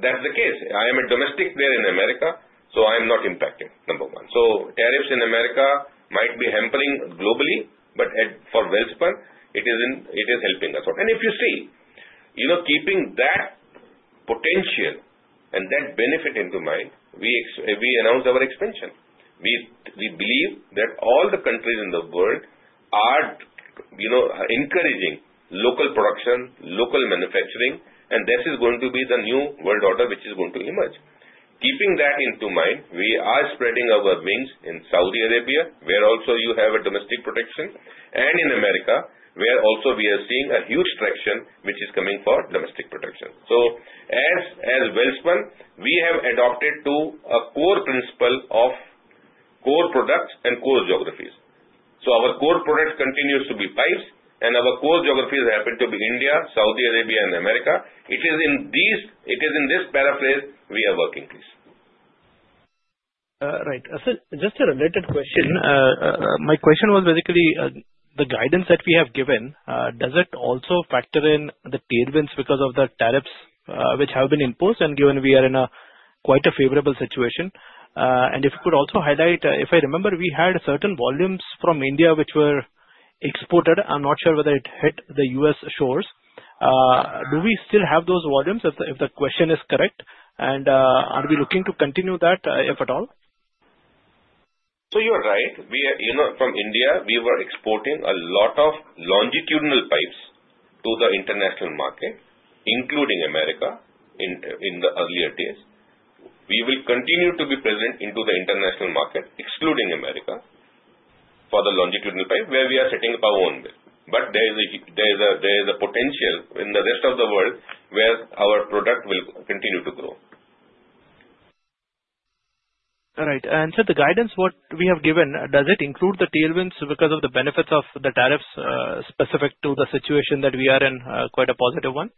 Speaker 4: that's the case. I am a domestic player in America, so I am not impacted, number one, so tariffs in America might be hampering globally, but for Welspun, it is helping us out, and if you see, keeping that potential and that benefit into mind, we announced our expansion. We believe that all the countries in the world are encouraging local production, local manufacturing, and this is going to be the new world order which is going to emerge. Keeping that into mind, we are spreading our wings in Saudi Arabia, where also you have a domestic protection, and in America, where also we are seeing a huge traction which is coming for domestic protection. So as Welspun, we have adopted to a core principle of core products and core geographies. So our core product continues to be pipes, and our core geographies happen to be India, Saudi Arabia, and America. It is in this paradigm we are working, please.
Speaker 8: Right. Sir, just a related question. My question was basically the guidance that we have given, does it also factor in the tailwinds because of the tariffs which have been imposed and given we are in quite a favorable situation? And if you could also highlight, if I remember, we had certain volumes from India which were exported. I'm not sure whether it hit the U.S. shores. Do we still have those volumes, if the question is correct? And are we looking to continue that, if at all?
Speaker 4: So you're right. From India, we were exporting a lot of longitudinal pipes to the international market, including America, in the earlier days. We will continue to be present into the international market, excluding America, for the longitudinal pipe, where we are setting up our own mill. But there is a potential in the rest of the world where our product will continue to grow.
Speaker 8: All right. And, sir, the guidance what we have given, does it include the tailwinds because of the benefits of the tariffs specific to the situation that we are in, quite a positive one?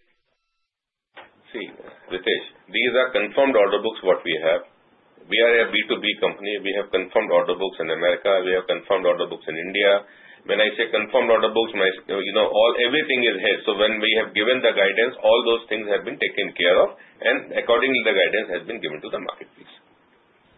Speaker 4: See, Ritesh Shah, these are confirmed order books what we have. We are a B2B company. We have confirmed order books in America. We have confirmed order books in India. When I say confirmed order books, everything is here. So when we have given the guidance, all those things have been taken care of, and accordingly, the guidance has been given to the market, please.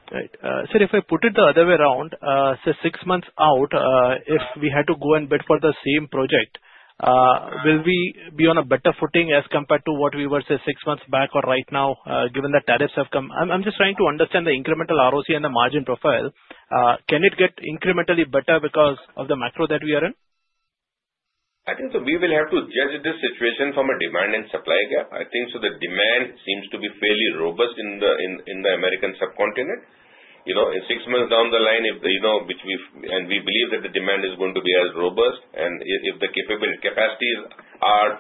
Speaker 8: Right. Sir, if I put it the other way around, say six months out, if we had to go and bid for the same project, will we be on a better footing as compared to what we were, say, six months back or right now, given the tariffs have come? I'm just trying to understand the incremental ROCE and the margin profile. Can it get incrementally better because of the macro that we are in?
Speaker 4: I think so we will have to judge this situation from a demand and supply gap. I think so the demand seems to be fairly robust in the American subcontinent. Six months down the line, which we believe that the demand is going to be as robust, and if the capacities are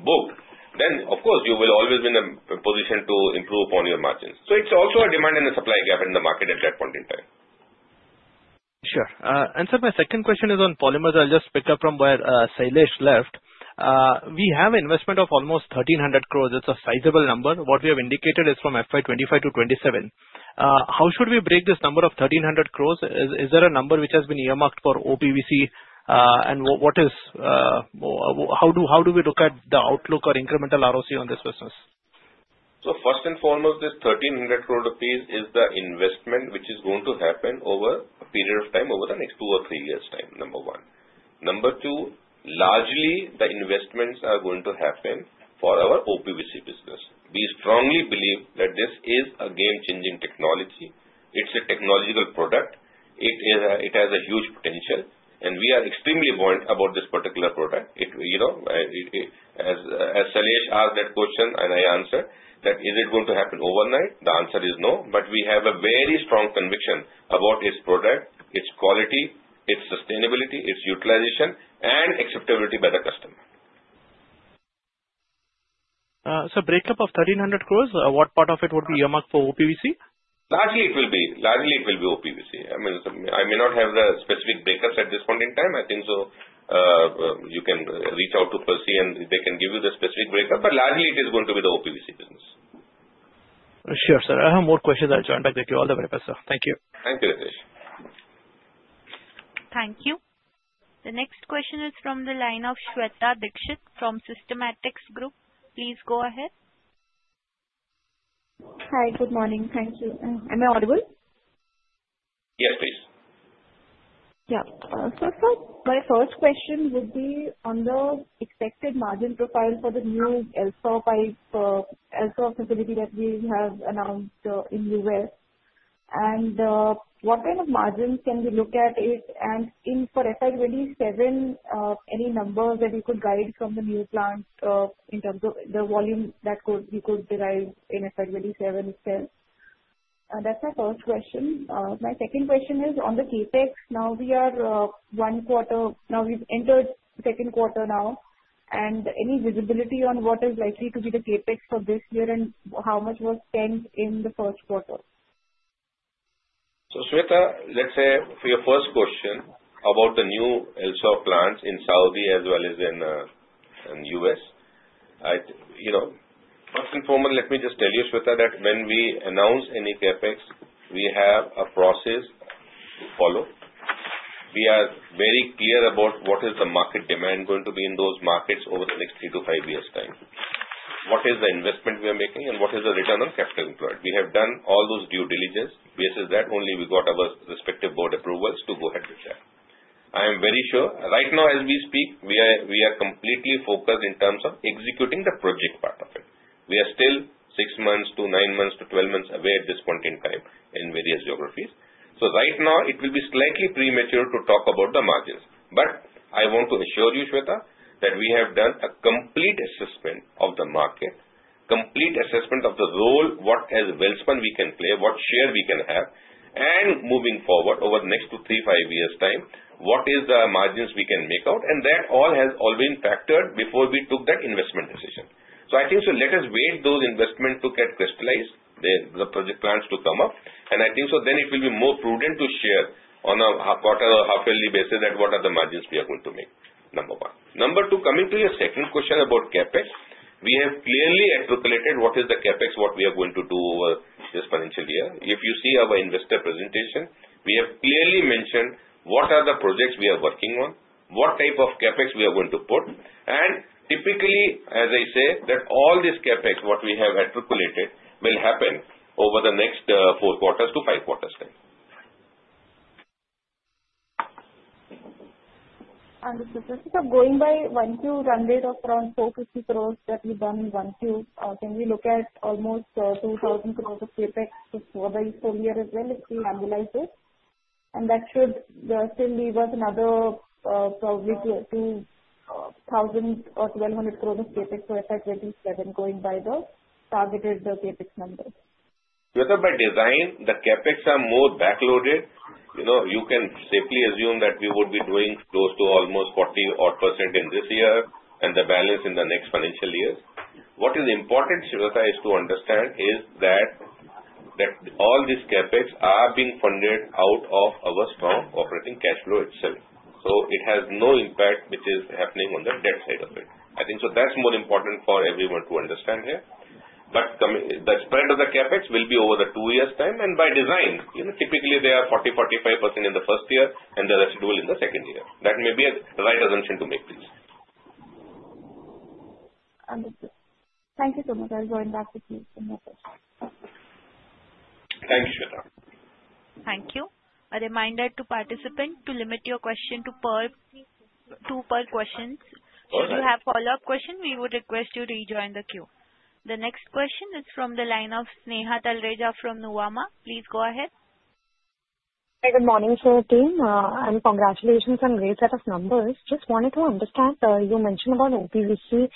Speaker 4: booked, then of course, you will always be in a position to improve upon your margins. So it's also a demand and a supply gap in the market at that point in time.
Speaker 8: Sure. And sir, my second question is on polymers. I'll just pick up from where Shailesh left. We have investment of almost 1,300 crores. It's a sizable number. What we have indicated is from FY 25 to 27. How should we break this number of 1,300 crores? Is there a number which has been earmarked for OPVC, and how do we look at the outlook or incremental ROC on this business?
Speaker 4: First and foremost, this 1,300 crore rupees is the investment which is going to happen over a period of time, over the next two or three years' time, number one. Number two, largely, the investments are going to happen for our OPVC business. We strongly believe that this is a game-changing technology. It's a technological product. It has a huge potential, and we are extremely warned about this particular product. As Shailesh asked that question, and I answered that is it going to happen overnight? The answer is no, but we have a very strong conviction about its product, its quality, its sustainability, its utilization, and acceptability by the customer.
Speaker 8: Sir, breakup of 1,300 crore, what part of it would be earmarked for OPVC?
Speaker 4: Largely, it will be largely OPVC. I mean, I may not have the specific breakups at this point in time. I think, so you can reach out to Percy, and they can give you the specific breakup. But largely, it is going to be the OPVC business.
Speaker 8: Sure, sir. I have more questions. I'll contact you all the way back, sir. Thank you.
Speaker 4: Thank you, Ritesh.
Speaker 1: Thank you. The next question is from the line of Shweta Dikshit from Systematix Group. Please go ahead.
Speaker 9: Hi, good morning. Thank you. Am I audible?
Speaker 4: Yes, please.
Speaker 9: Yeah. So sir, my first question would be on the expected margin profile for the new LSAW pipe, LSAW facility that we have announced in the U.S. And what kind of margin can we look at it? And for FY 27, any numbers that you could guide from the new plant in terms of the volume that we could derive in FY 27 itself? That's my first question. My second question is on the CapEx. Now, we are one quarter. Now, we've entered second quarter now. And any visibility on what is likely to be the CapEx for this year and how much was spent in the first quarter?
Speaker 4: So Shweta, let's say for your first question about the new LSAW plants in Saudi as well as in U.S., first and foremost, let me just tell you, Shweta, that when we announce any CapEx, we have a process to follow. We are very clear about what is the market demand going to be in those markets over the next three to five years' time. What is the investment we are making, and what is the return on capital employed? We have done all those due diligence. Based on that, only we got our respective board approvals to go ahead with that. I am very sure right now, as we speak, we are completely focused in terms of executing the project part of it. We are still six months to nine months to twelve months away at this point in time in various geographies. So right now, it will be slightly premature to talk about the margins. But I want to assure you, Shweta, that we have done a complete assessment of the market, complete assessment of the role, what as Welspun we can play, what share we can have, and moving forward over the next two, three, five years' time, what is the margins we can make out. And that all has already been factored before we took that investment decision. So I think so let us wait those investments to get crystallized, the project plans to come up. And I think so then it will be more prudent to share on a quarter or half-yearly basis at what are the margins we are going to make, number one. Number two, coming to your second question about CapEx, we have clearly articulated what is the CapEx, what we are going to do over this financial year. If you see our investor presentation, we have clearly mentioned what are the projects we are working on, what type of CapEx we are going to put. And typically, as I say, that all this CapEx, what we have articulated, will happen over the next four quarters to five quarters' time.
Speaker 9: And sir, just going by one Q, run rate of around 450 crore that we've done in one Q, can we look at almost 2,000 crore of CapEx for the full year as well if we annualize it? And that should still leave us another probably 2,000 or 1,200 crore of CapEx for FY 2027 going by the targeted CapEx numbers.
Speaker 4: Yet by design, the CapEx are more backloaded. You can safely assume that we would be doing close to almost 40% in this year and the balance in the next financial years. What is important, Shweta, is to understand that all this CapEx are being funded out of our strong operating cash flow itself. So it has no impact which is happening on the debt side of it. I think so that's more important for everyone to understand here. But the spread of the CapEx will be over the two years' time. And by design, typically, they are 40-45% in the first year and the residual in the second year. That may be a right assumption to make, please.
Speaker 9: Understood. Thank you so much. I'll join back with you in my question.
Speaker 4: Thank you, Shweta.
Speaker 1: Thank you. A reminder to participants to limit your question to per questions. If you have follow-up questions, we would request you to rejoin the queue. The next question is from the line of Sneha Talreja from Nuvama. Please go ahead.
Speaker 10: Hi, good morning, Sir. I mean, congratulations on a great set of numbers. Just wanted to understand, you mentioned about OPVC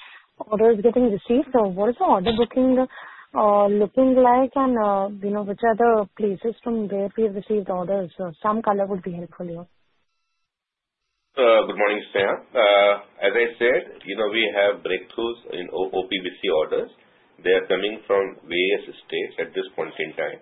Speaker 10: orders getting received. So what is the order booking looking like, and which are the places from where we have received orders? Some color would be helpful here.
Speaker 4: Good morning, Sneha. As I said, we have breakthroughs in OPVC orders. They are coming from various states at this point in time.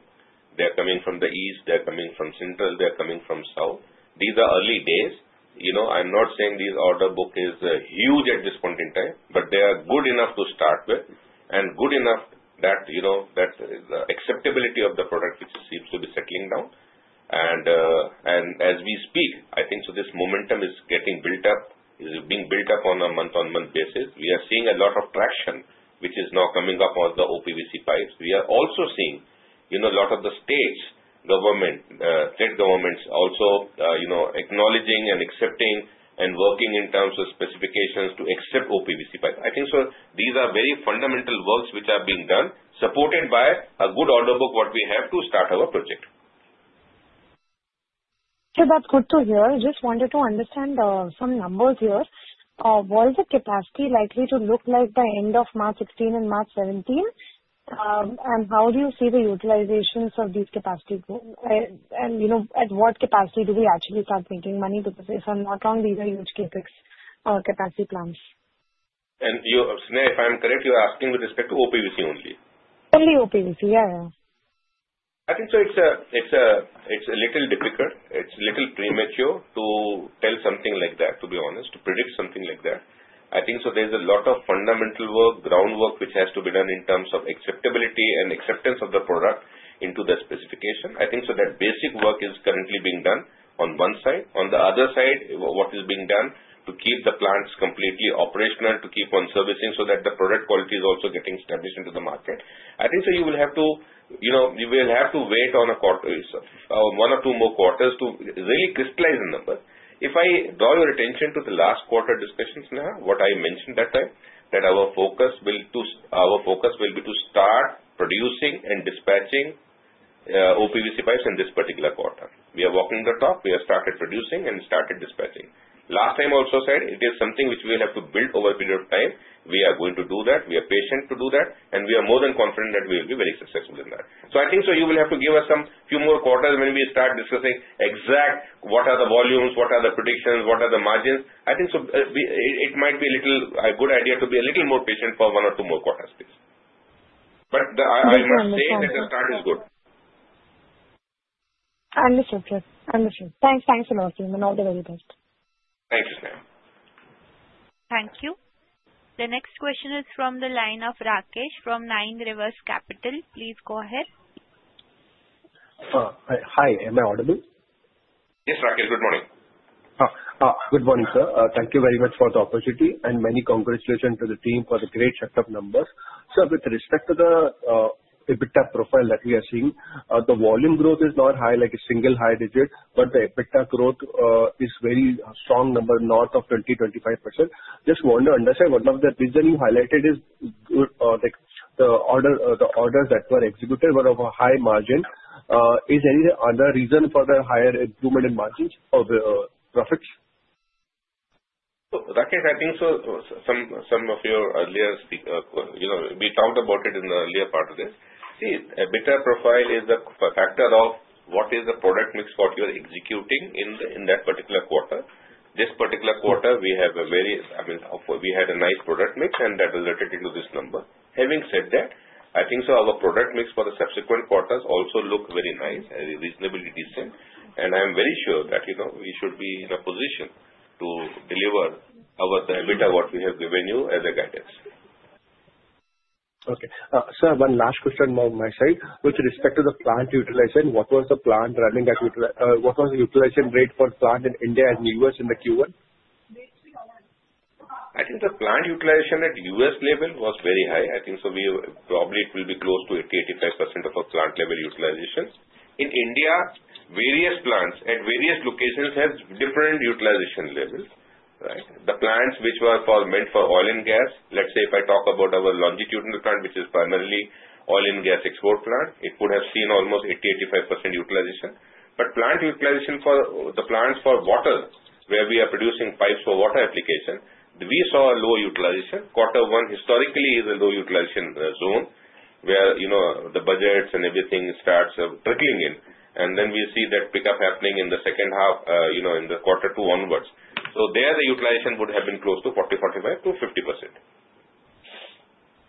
Speaker 4: They are coming from the east. They are coming from central. They are coming from south. These are early days. I'm not saying this order book is huge at this point in time, but they are good enough to start with and good enough that the acceptability of the product which seems to be settling down, and as we speak, I think so this momentum is getting built up, is being built up on a month-on-month basis. We are seeing a lot of traction which is now coming up on the OPVC pipes. We are also seeing a lot of the states, state governments, also acknowledging and accepting and working in terms of specifications to accept OPVC pipes. I think so. These are very fundamental works which are being done, supported by a good order book. What we have to start our project.
Speaker 10: Sir, that's good to hear. I just wanted to understand some numbers here. What is the capacity likely to look like by end of March 2016 and March 2017? And how do you see the utilizations of these capacity? And at what capacity do we actually start making money? Because if I'm not wrong, these are huge CapEx capacity plans.
Speaker 4: Sneha, if I'm correct, you're asking with respect to OPVC only?
Speaker 10: Only OPVC, yeah.
Speaker 4: I think so it's a little difficult. It's a little premature to tell something like that, to be honest, to predict something like that. I think so there's a lot of fundamental work, groundwork which has to be done in terms of acceptability and acceptance of the product into the specification. I think so that basic work is currently being done on one side. On the other side, what is being done to keep the plants completely operational, to keep on servicing so that the product quality is also getting established into the market. I think so you will have to wait one or two more quarters to really crystallize the numbers. If I draw your attention to the last quarter discussions, Sneha, what I mentioned that time, that our focus will be to start producing and dispatching OPVC pipes in this particular quarter. We are walking the talk. We have started producing and started dispatching. Last time also said it is something which we will have to build over a period of time. We are going to do that. We are patient to do that, and we are more than confident that we will be very successful in that, so I think so you will have to give us a few more quarters when we start discussing exact what are the volumes, what are the predictions, what are the margins. I think so it might be a good idea to be a little more patient for one or two more quarters, please, but I must say that the start is good.
Speaker 10: Understood, sir. Understood. Thanks a lot, and all the very best.
Speaker 4: Thank you, Sneha.
Speaker 1: Thank you. The next question is from the line of Rakesh from Nine Rivers Capital. Please go ahead.
Speaker 11: Hi, am I audible?
Speaker 4: Yes, Rakesh, good morning.
Speaker 11: Good morning, sir. Thank you very much for the opportunity, and many congratulations to the team for the great set of numbers. Sir, with respect to the EBITDA profile that we are seeing, the volume growth is not high like a single high digit, but the EBITDA growth is a very strong number, north of 20%-25%. Just want to understand, one of the reasons you highlighted is the orders that were executed were of a high margin. Is there any other reason for the higher improvement in margins or profits?
Speaker 4: Rakesh, I think so. Some of your earlier we talked about it in the earlier part of this. See, EBITDA profile is a factor of what is the product mix what you are executing in that particular quarter. This particular quarter, we have a very, I mean, we had a nice product mix, and that was related to this number. Having said that, I think so our product mix for the subsequent quarters also looked very nice, reasonably decent, and I'm very sure that we should be in a position to deliver our EBITDA, what we have given you as a guidance.
Speaker 11: Okay. Sir, one last question on my side. With respect to the plant utilization, what was the plant running at? What was the utilization rate for plant in India and U.S. in the Q1?
Speaker 4: I think the plant utilization at US level was very high. I think so probably it will be close to 80-85% of our plant level utilization. In India, various plants at various locations have different utilization levels, right? The plants which were meant for oil and gas, let's say if I talk about our longitudinal plant, which is primarily oil and gas export plant, it could have seen almost 80-85% utilization. But plant utilization for the plants for water, where we are producing pipes for water application, we saw a low utilization. Quarter one historically is a low utilization zone where the budgets and everything starts trickling in, and then we see that pickup happening in the second half, in the quarter two onwards, so there, the utilization would have been close to 40-45% to 50%.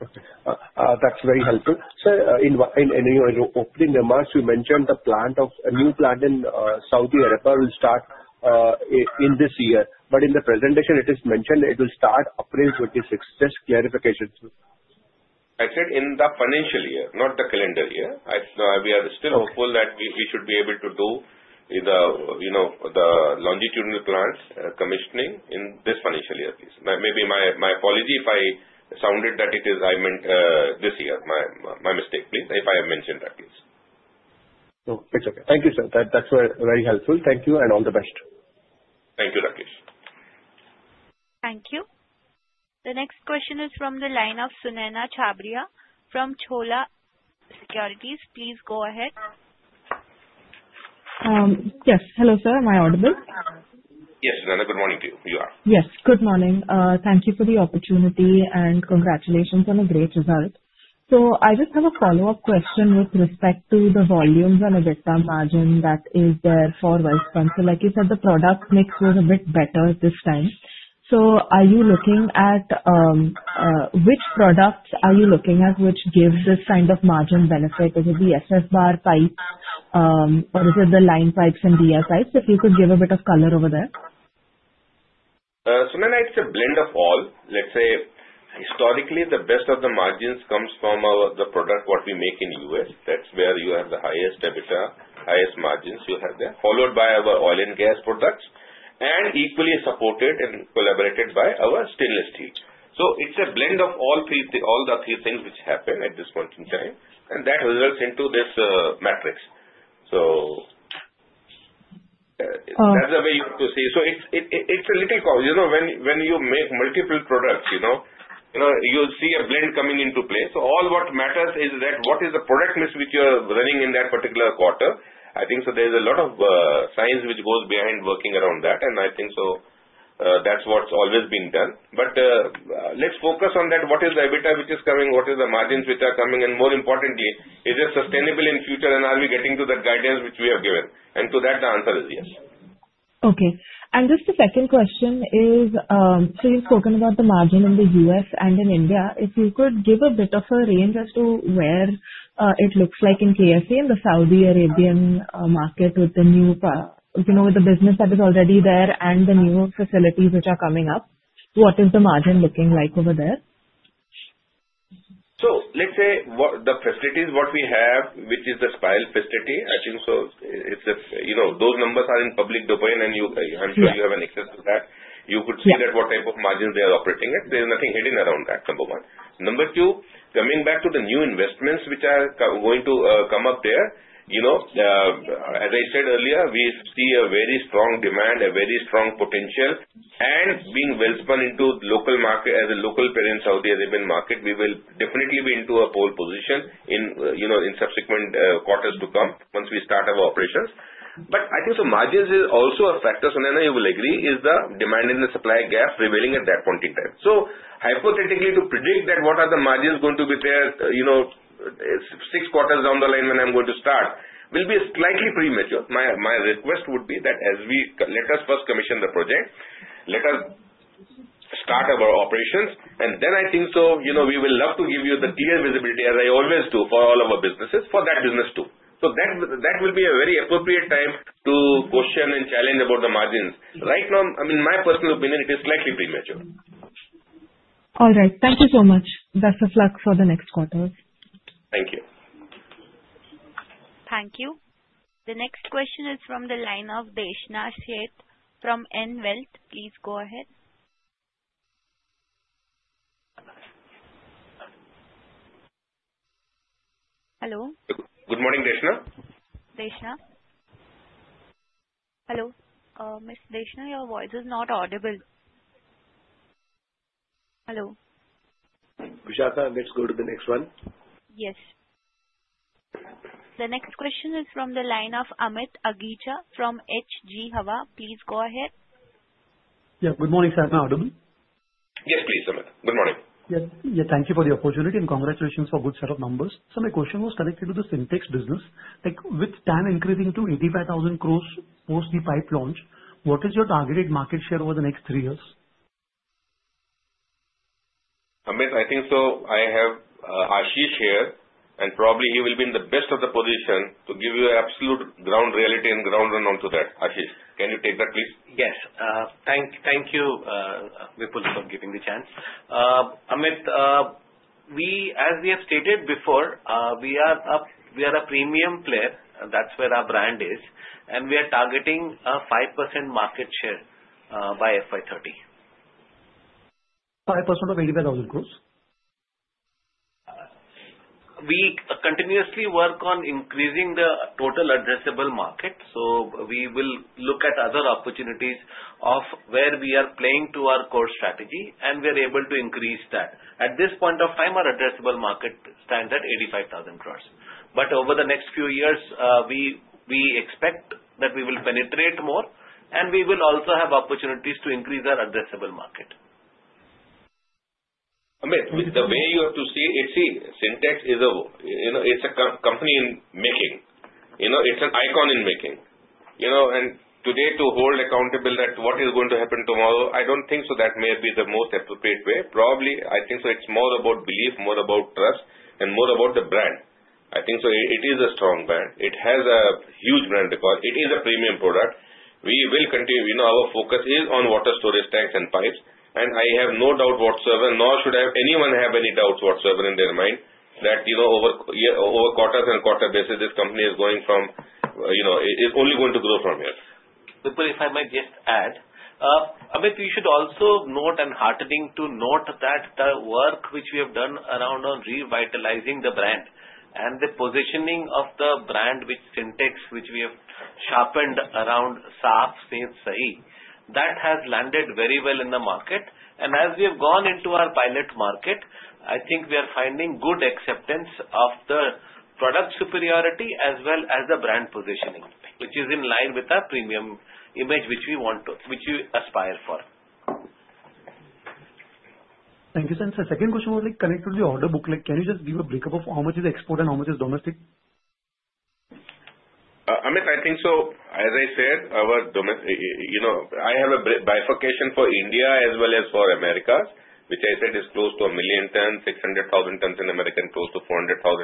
Speaker 11: Okay. That's very helpful. Sir, in opening remarks, you mentioned the new plant in Saudi Arabia will start in this year. But in the presentation, it is mentioned it will start April 26. Just clarification.
Speaker 4: I said in the financial year, not the calendar year. We are still hopeful that we should be able to do the longitudinal plants commissioning in this financial year, please. Maybe my apology if I sounded that it is this year. My mistake, please. If I have mentioned that, please.
Speaker 11: It's okay. Thank you, sir. That's very helpful. Thank you, and all the best.
Speaker 4: Thank you, Rakesh.
Speaker 1: Thank you. The next question is from the line of Sunaina Chhabria from Chola Securities. Please go ahead.
Speaker 12: Yes. Hello, sir. Am I audible?
Speaker 4: Yes, Sunaina. Good morning to you. You are.
Speaker 12: Yes, good morning. Thank you for the opportunity and congratulations on a great result. So I just have a follow-up question with respect to the volumes and EBITDA margin that is there for Welspun. So like you said, the product mix was a bit better this time. So are you looking at which products give this kind of margin benefit? Is it the SS bars, pipes, or is it the line pipes and DI pipes? If you could give a bit of color over there.
Speaker 4: Sunaina is a blend of all. Let's say historically, the best of the margins comes from the product what we make in U.S. That's where you have the highest EBITDA, highest margins you have there, followed by our oil and gas products, and equally supported and collaborated by our stainless steel. So it's a blend of all the three things which happen at this point in time, and that results into this metrics. So that's the way you have to see. So it's a little when you make multiple products, you'll see a blend coming into play. So all what matters is that what is the product mix which you are running in that particular quarter. I think so there's a lot of science which goes behind working around that. And I think so that's what's always been done. But let's focus on that. What is the EBITDA which is coming? What are the margins which are coming? And more importantly, is it sustainable in future? And are we getting to the guidance which we have given? And to that, the answer is yes.
Speaker 12: Okay. And just the second question is, so you've spoken about the margin in the US and in India. If you could give a bit of a range as to where it looks like in KSA and the Saudi Arabian market with the new business that is already there and the new facilities which are coming up, what is the margin looking like over there?
Speaker 4: So let's say the facilities what we have, which is the spiral facility, I think so those numbers are in public domain, and I'm sure you have an access to that. You could see that what type of margins they are operating at. There's nothing hidden around that, number one. Number two, coming back to the new investments which are going to come up there, as I said earlier, we see a very strong demand, a very strong potential. And being Welspun into local market as a local player in Saudi Arabian market, we will definitely be into a pole position in subsequent quarters to come once we start our operations. But I think so margins is also a factor, Sunaina, you will agree, is the demand and the supply gap prevailing at that point in time. So, hypothetically, to predict that what the margins are going to be there six quarters down the line when I'm going to start will be slightly premature. My request would be that let us first commission the project, let us start our operations, and then I think so we will like to give you the clear visibility, as I always do, for all of our businesses, for that business too. So that will be a very appropriate time to question and challenge about the margins. Right now, I mean, in my personal opinion, it is slightly premature.
Speaker 12: All right. Thank you so much. Best of luck for the next quarter.
Speaker 4: Thank you.
Speaker 1: Thank you. The next question is from the line of Deshna Sheth from Anvil. Please go ahead. Hello.
Speaker 4: Good morning, Deshna.
Speaker 1: Deshna? Hello. Miss Deshna, your voice is not audible. Hello.
Speaker 4: Vishakha, let's go to the next one.
Speaker 1: Yes. The next question is from the line of Amit Agicha from H.G. Hawa & Co. Please go ahead.
Speaker 13: Yeah, good morning, Sir. Am I audible?
Speaker 4: Yes, please, Amit. Good morning.
Speaker 13: Yeah, thank you for the opportunity and congratulations for good set of numbers. Sir, my question was connected to the Sintex's business. With TAM increasing to 85,000 crores post the pipe launch, what is your targeted market share over the next three years?
Speaker 4: Amit, I think, so I have Ashish here, and probably he will be in the best position to give you absolute ground reality and ground run on to that. Ashish, can you take that, please?
Speaker 14: Yes. Thank you, Vipul, for giving the chance. Amit, as we have stated before, we are a premium player. That's where our brand is. And we are targeting a 5% market share by FY30.
Speaker 13: 5% of 85,000 crores?
Speaker 14: We continuously work on increasing the total addressable market. We will look at other opportunities of where we are playing to our core strategy, and we are able to increase that. At this point of time, our addressable market stands at 85,000 crores. But over the next few years, we expect that we will penetrate more, and we will also have opportunities to increase our addressable market.
Speaker 4: Amit, the way you have to see, it seems Sintex is a company in making. It's an icon in making. Today, to hold accountable that what is going to happen tomorrow, I don't think so that may be the most appropriate way. Probably, I think so it's more about belief, more about trust, and more about the brand. I think so it is a strong brand. It has a huge brand because it is a premium product. We will continue. Our focus is on water storage tanks and pipes, and I have no doubt whatsoever, nor should anyone have any doubts whatsoever in their mind that over quarters and quarter basis, this company is only going to grow from here.
Speaker 14: Vipul, if I may just add, Amit, you should also note, and it's heartening to note that the work which we have done around revitalizing the brand and the positioning of the brand with Sintex which we have sharpened around Saaf, Saaf, that has landed very well in the market. And as we have gone into our pilot market, I think we are finding good acceptance of the product superiority as well as the brand positioning, which is in line with our premium image which we aspire for.
Speaker 13: Thank you, sir. And sir, second question was connected to the order book. Can you just give a break-up of how much is export and how much is domestic?
Speaker 4: Amit, I think so, as I said, I have a bifurcation for India as well as for America, which I said is close to a million tons, 600,000 tons in America, and close to 400,000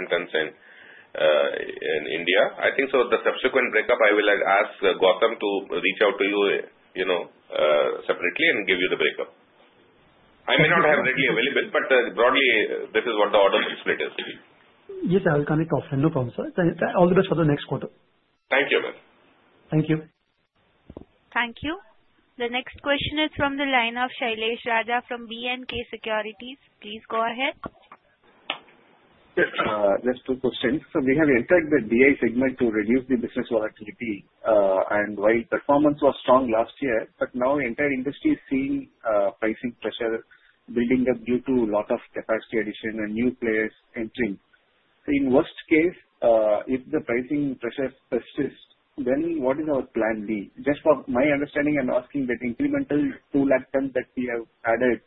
Speaker 4: tons in India. I think so, the subsequent breakup, I will ask Gautam to reach out to you separately and give you the breakup. I may not have readily available, but broadly, this is what the order book split is.
Speaker 13: Yes, sir. I'll come in to offline. No problem, sir. All the best for the next quarter.
Speaker 4: Thank you, Amit.
Speaker 14: Thank you.
Speaker 1: Thank you. The next question is from the line of Shailesh Raja from B&K Securities. Please go ahead.
Speaker 7: Yes, sir. Just two questions. So we have entered the DI segment to reduce the business volatility. And while performance was strong last year, but now the entire industry is seeing pricing pressure building up due to a lot of capacity addition and new players entering. In worst case, if the pricing pressure persists, then what is our plan B? Just for my understanding, I'm asking that incremental 2 lakh tons that we have added,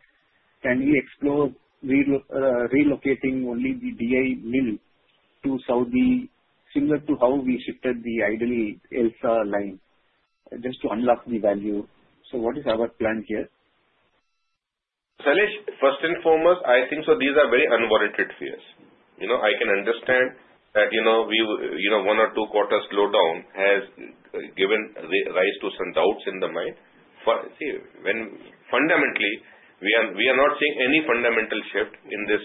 Speaker 7: can we explore relocating only the DI mill to Saudi, similar to how we shifted the idle LSAW line, just to unlock the value? So what is our plan here?
Speaker 4: Shailesh, first and foremost, I think so these are very unwarranted fears. I can understand that one or two quarters slowdown has given rise to some doubts in the mind. Fundamentally, we are not seeing any fundamental shift in this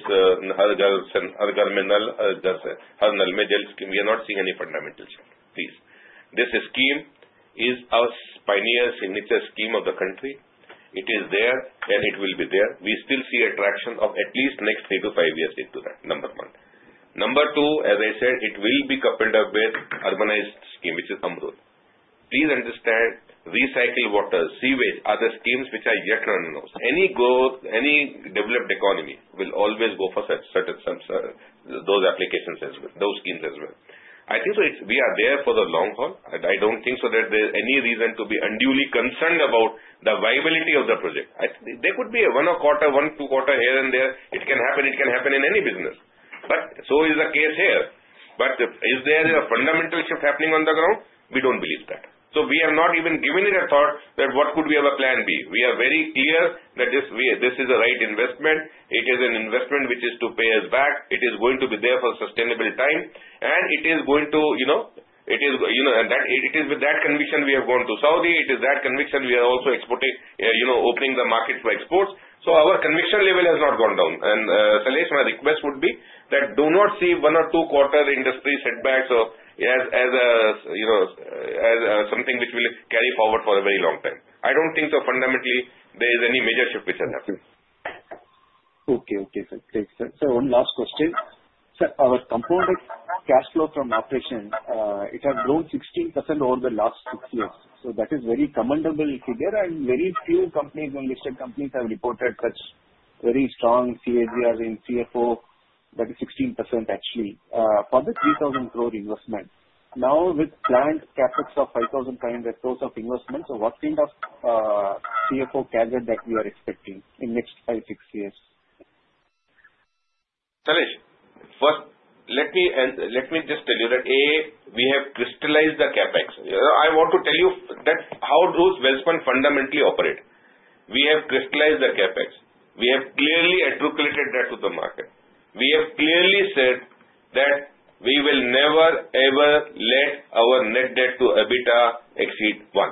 Speaker 4: Har Ghar Jal, Har Ghar Nal-Jal scheme. We are not seeing any fundamental shift. Please. This scheme is our pioneer signature scheme of the country. It is there, and it will be there. We still see attraction of at least next three to five years into that, number one. Number two, as I said, it will be coupled up with urbanized scheme, which is AMRUT. Please understand, recycle water, sewage, are the schemes which are yet to be announced. Any developed economy will always go for those applications as well, those schemes as well. I think so we are there for the long haul. I don't think so that there is any reason to be unduly concerned about the viability of the project. There could be one or two quarters here and there. It can happen. It can happen in any business, but so is the case here. But is there a fundamental shift happening on the ground? We don't believe that, so we have not even given it a thought that what could be our plan B. We are very clear that this is the right investment. It is an investment which is to pay us back. It is going to be there for a sustainable time, and it is with that conviction we have gone to Saudi. It is that conviction we are also opening the market for exports. So our conviction level has not gone down. Shailesh, my request would be that do not see one or two quarters industry setbacks as something which will carry forward for a very long time. I don't think so. Fundamentally there is any major shift which has happened.
Speaker 7: Okay, okay, sir. Thanks, sir. Sir, one last question. Sir, our compounded cash flow from operation, it has grown 16% over the last six years. So that is very commendable to there. And very few listed companies have reported such very strong CAGR in CFO, that is 16% actually, for the 3,000 crore investment. Now, with planned CapEx of 5,500 crores of investment, so what kind of CFO CAGR that we are expecting in the next five, six years?
Speaker 4: Shailesh, first, let me just tell you that, A, we have crystallized the CapEx. I want to tell you how does Welspun fundamentally operate. We have crystallized the CapEx. We have clearly articulated that to the market. We have clearly said that we will never ever let our net debt to EBITDA exceed 1.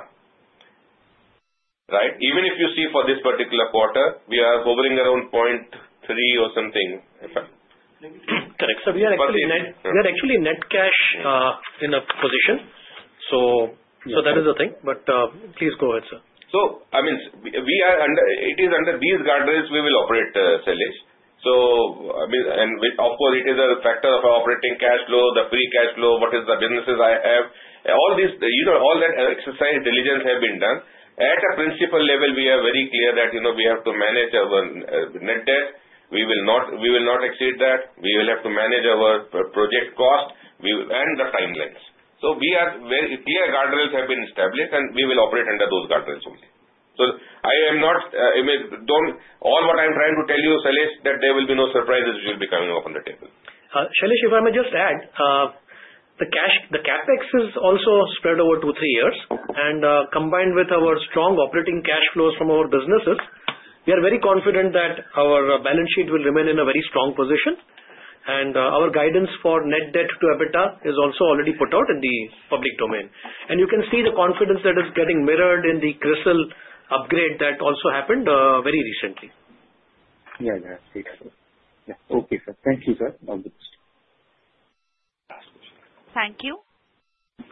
Speaker 4: Right? Even if you see for this particular quarter, we are hovering around 0.3 or something.
Speaker 7: Correct. Sir, we are actually in net cash position. So that is the thing. But please go ahead, sir.
Speaker 4: So I mean, it is under these guidelines we will operate, Shailesh. And of course, it is a factor of our operating cash flow, the free cash flow, what is the businesses I have. All that exercise diligence has been done. At a principal level, we are very clear that we have to manage our net debt. We will not exceed that. We will have to manage our project cost and the timelines. So clear guidelines have been established, and we will operate under those guidelines only. So I am not all what I'm trying to tell you, Shailesh, that there will be no surprises which will be coming up on the table.
Speaker 14: Shailesh, if I may just add, the CapEx is also spread over two, three years. And combined with our strong operating cash flows from our businesses, we are very confident that our balance sheet will remain in a very strong position. And our guidance for net debt to EBITDA is also already put out in the public domain. And you can see the confidence that is getting mirrored in the CRISIL upgrade that also happened very recently.
Speaker 7: Yeah, yeah. Okay, sir. Thank you, sir. All the best.
Speaker 1: Thank you.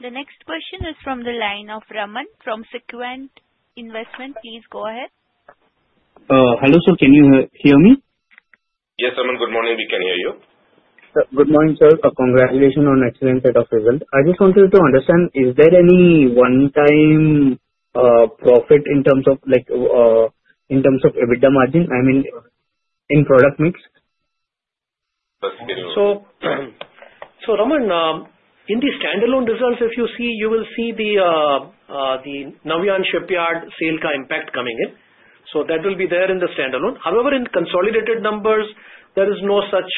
Speaker 1: The next question is from the line of Raman from Sequent Investment. Please go ahead.
Speaker 15: Hello sir, can you hear me?
Speaker 4: Yes, Raman. Good morning. We can hear you.
Speaker 15: Good morning, sir. Congratulations on excellent set of results. I just wanted to understand, is there any one-time profit in terms of EBITDA margin? I mean, in product mix?
Speaker 14: Raman, in the standalone results, if you see, you will see the Nauyaan Shipyard sale impact coming in. So that will be there in the standalone. However, in consolidated numbers, there is no such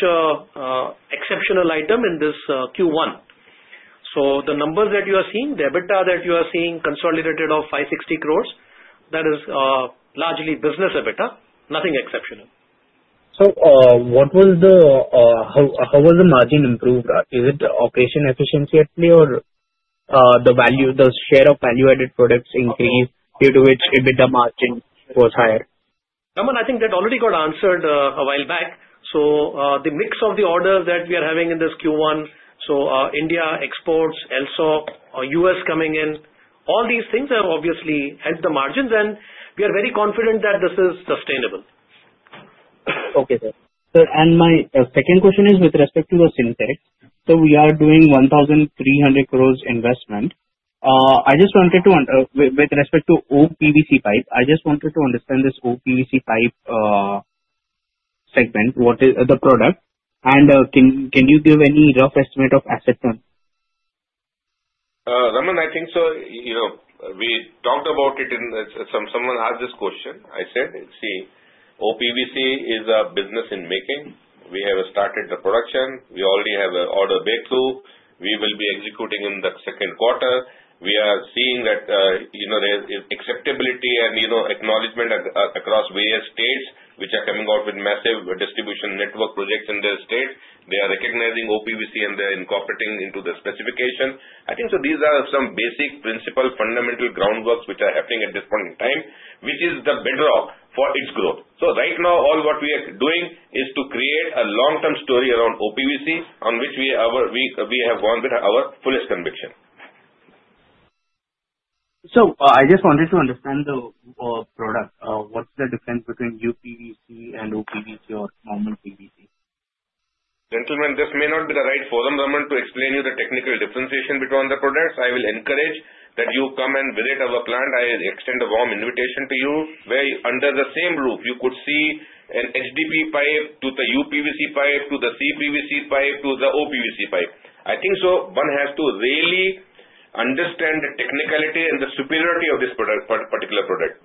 Speaker 14: exceptional item in this Q1. So the numbers that you are seeing, the EBITDA that you are seeing consolidated of 560 crore, that is largely business EBITDA, nothing exceptional.
Speaker 15: So how was the margin improved? Is it operational efficiency actually, or the share of value-added products increased due to which EBITDA margin was higher?
Speaker 14: Raman, I think that already got answered a while back. So the mix of the orders that we are having in this Q1, so India, exports, LSAW, US coming in, all these things have obviously helped the margins. And we are very confident that this is sustainable.
Speaker 15: Okay, sir. And my second question is with respect to the Sintex. So we are doing 1,300 crores investment. I just wanted to, with respect to OPVC pipe, I just wanted to understand this OPVC pipe segment, the product. And can you give any rough estimate of asset turn?
Speaker 4: Raman, I think so we talked about it and someone asked this question. I said, "See, OPVC is a business in making. We have started the production. We already have an order booked through. We will be executing in the second quarter." We are seeing that there is acceptability and acknowledgment across various states which are coming out with massive distribution network projects in their states. They are recognizing OPVC, and they are incorporating it into the specification. I think so these are some basic principle fundamental groundworks which are happening at this point in time, which is the bedrock for its growth. Right now, all what we are doing is to create a long-term story around OPVC on which we have gone with our fullest conviction.
Speaker 15: So I just wanted to understand the product. What's the difference between UPVC and OPVC or normal PVC?
Speaker 4: Gentlemen, this may not be the right forum, Raman, to explain you the technical differentiation between the products. I will encourage that you come and visit our plant. I extend a warm invitation to you. Under the same roof, you could see an HDPE pipe to the UPVC pipe, to the CPVC pipe, to the OPVC pipe. I think so one has to really understand the technicality and the superiority of this particular product.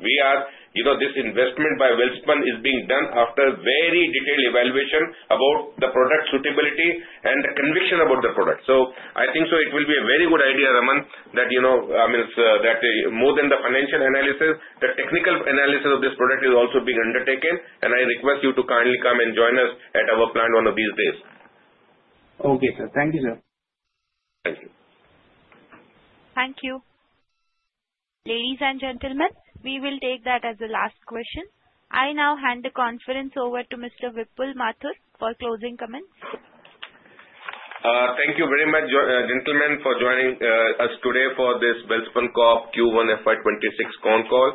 Speaker 4: This investment by Welspun is being done after very detailed evaluation about the product suitability and the conviction about the product. So I think so it will be a very good idea, Raman, that more than the financial analysis, the technical analysis of this product is also being undertaken. I request you to kindly come and join us at our plant one of these days.
Speaker 15: Okay, sir. Thank you, sir.
Speaker 4: Thank you.
Speaker 1: Thank you. Ladies and gentlemen, we will take that as the last question. I now hand the conference over to Mr. Vipul Mathur for closing comments.
Speaker 4: Thank you very much, gentlemen, for joining us today for this Welspun Corp Q1 FY26 con call.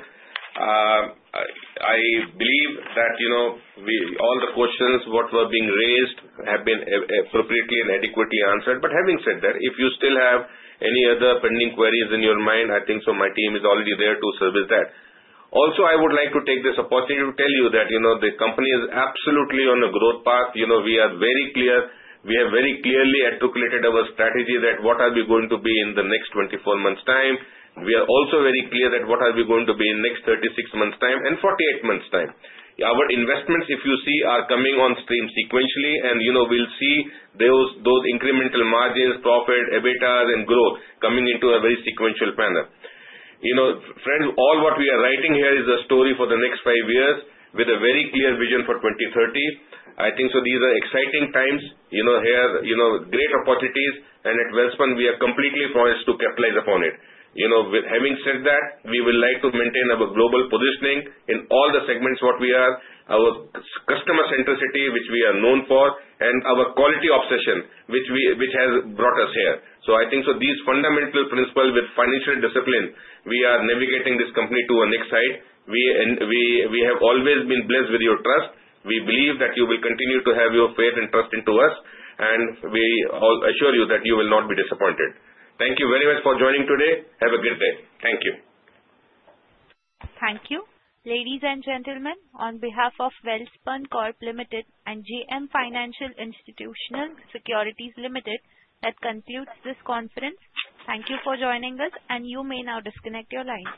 Speaker 4: I believe that all the questions that were being raised have been appropriately and adequately answered. But having said that, if you still have any other pending queries in your mind, I think so my team is already there to service that. Also, I would like to take this opportunity to tell you that the company is absolutely on a growth path. We are very clear. We have very clearly articulated our strategy that what are we going to be in the next 24 months' time. We are also very clear that what are we going to be in the next 36 months' time and 48 months' time. Our investments, if you see, are coming on stream sequentially. And we'll see those incremental margins, profit, EBITDAs, and growth coming into a very sequential panel. Friends, all what we are writing here is a story for the next five years with a very clear vision for 2030. I think so these are exciting times here, great opportunities. And at Welspun, we are completely forced to capitalize upon it. Having said that, we would like to maintain our global positioning in all the segments what we are, our customer centricity, which we are known for, and our quality obsession, which has brought us here. So I think so these fundamental principles with financial discipline, we are navigating this company to our next side. We have always been blessed with your trust. We believe that you will continue to have your faith and trust into us. And we assure you that you will not be disappointed. Thank you very much for joining today. Have a good day. Thank you.
Speaker 1: Thank you. Ladies and gentlemen, on behalf of Welspun Corp Limited and JM Financial Institutional Securities Limited, that concludes this conference. Thank you for joining us. You may now disconnect your line.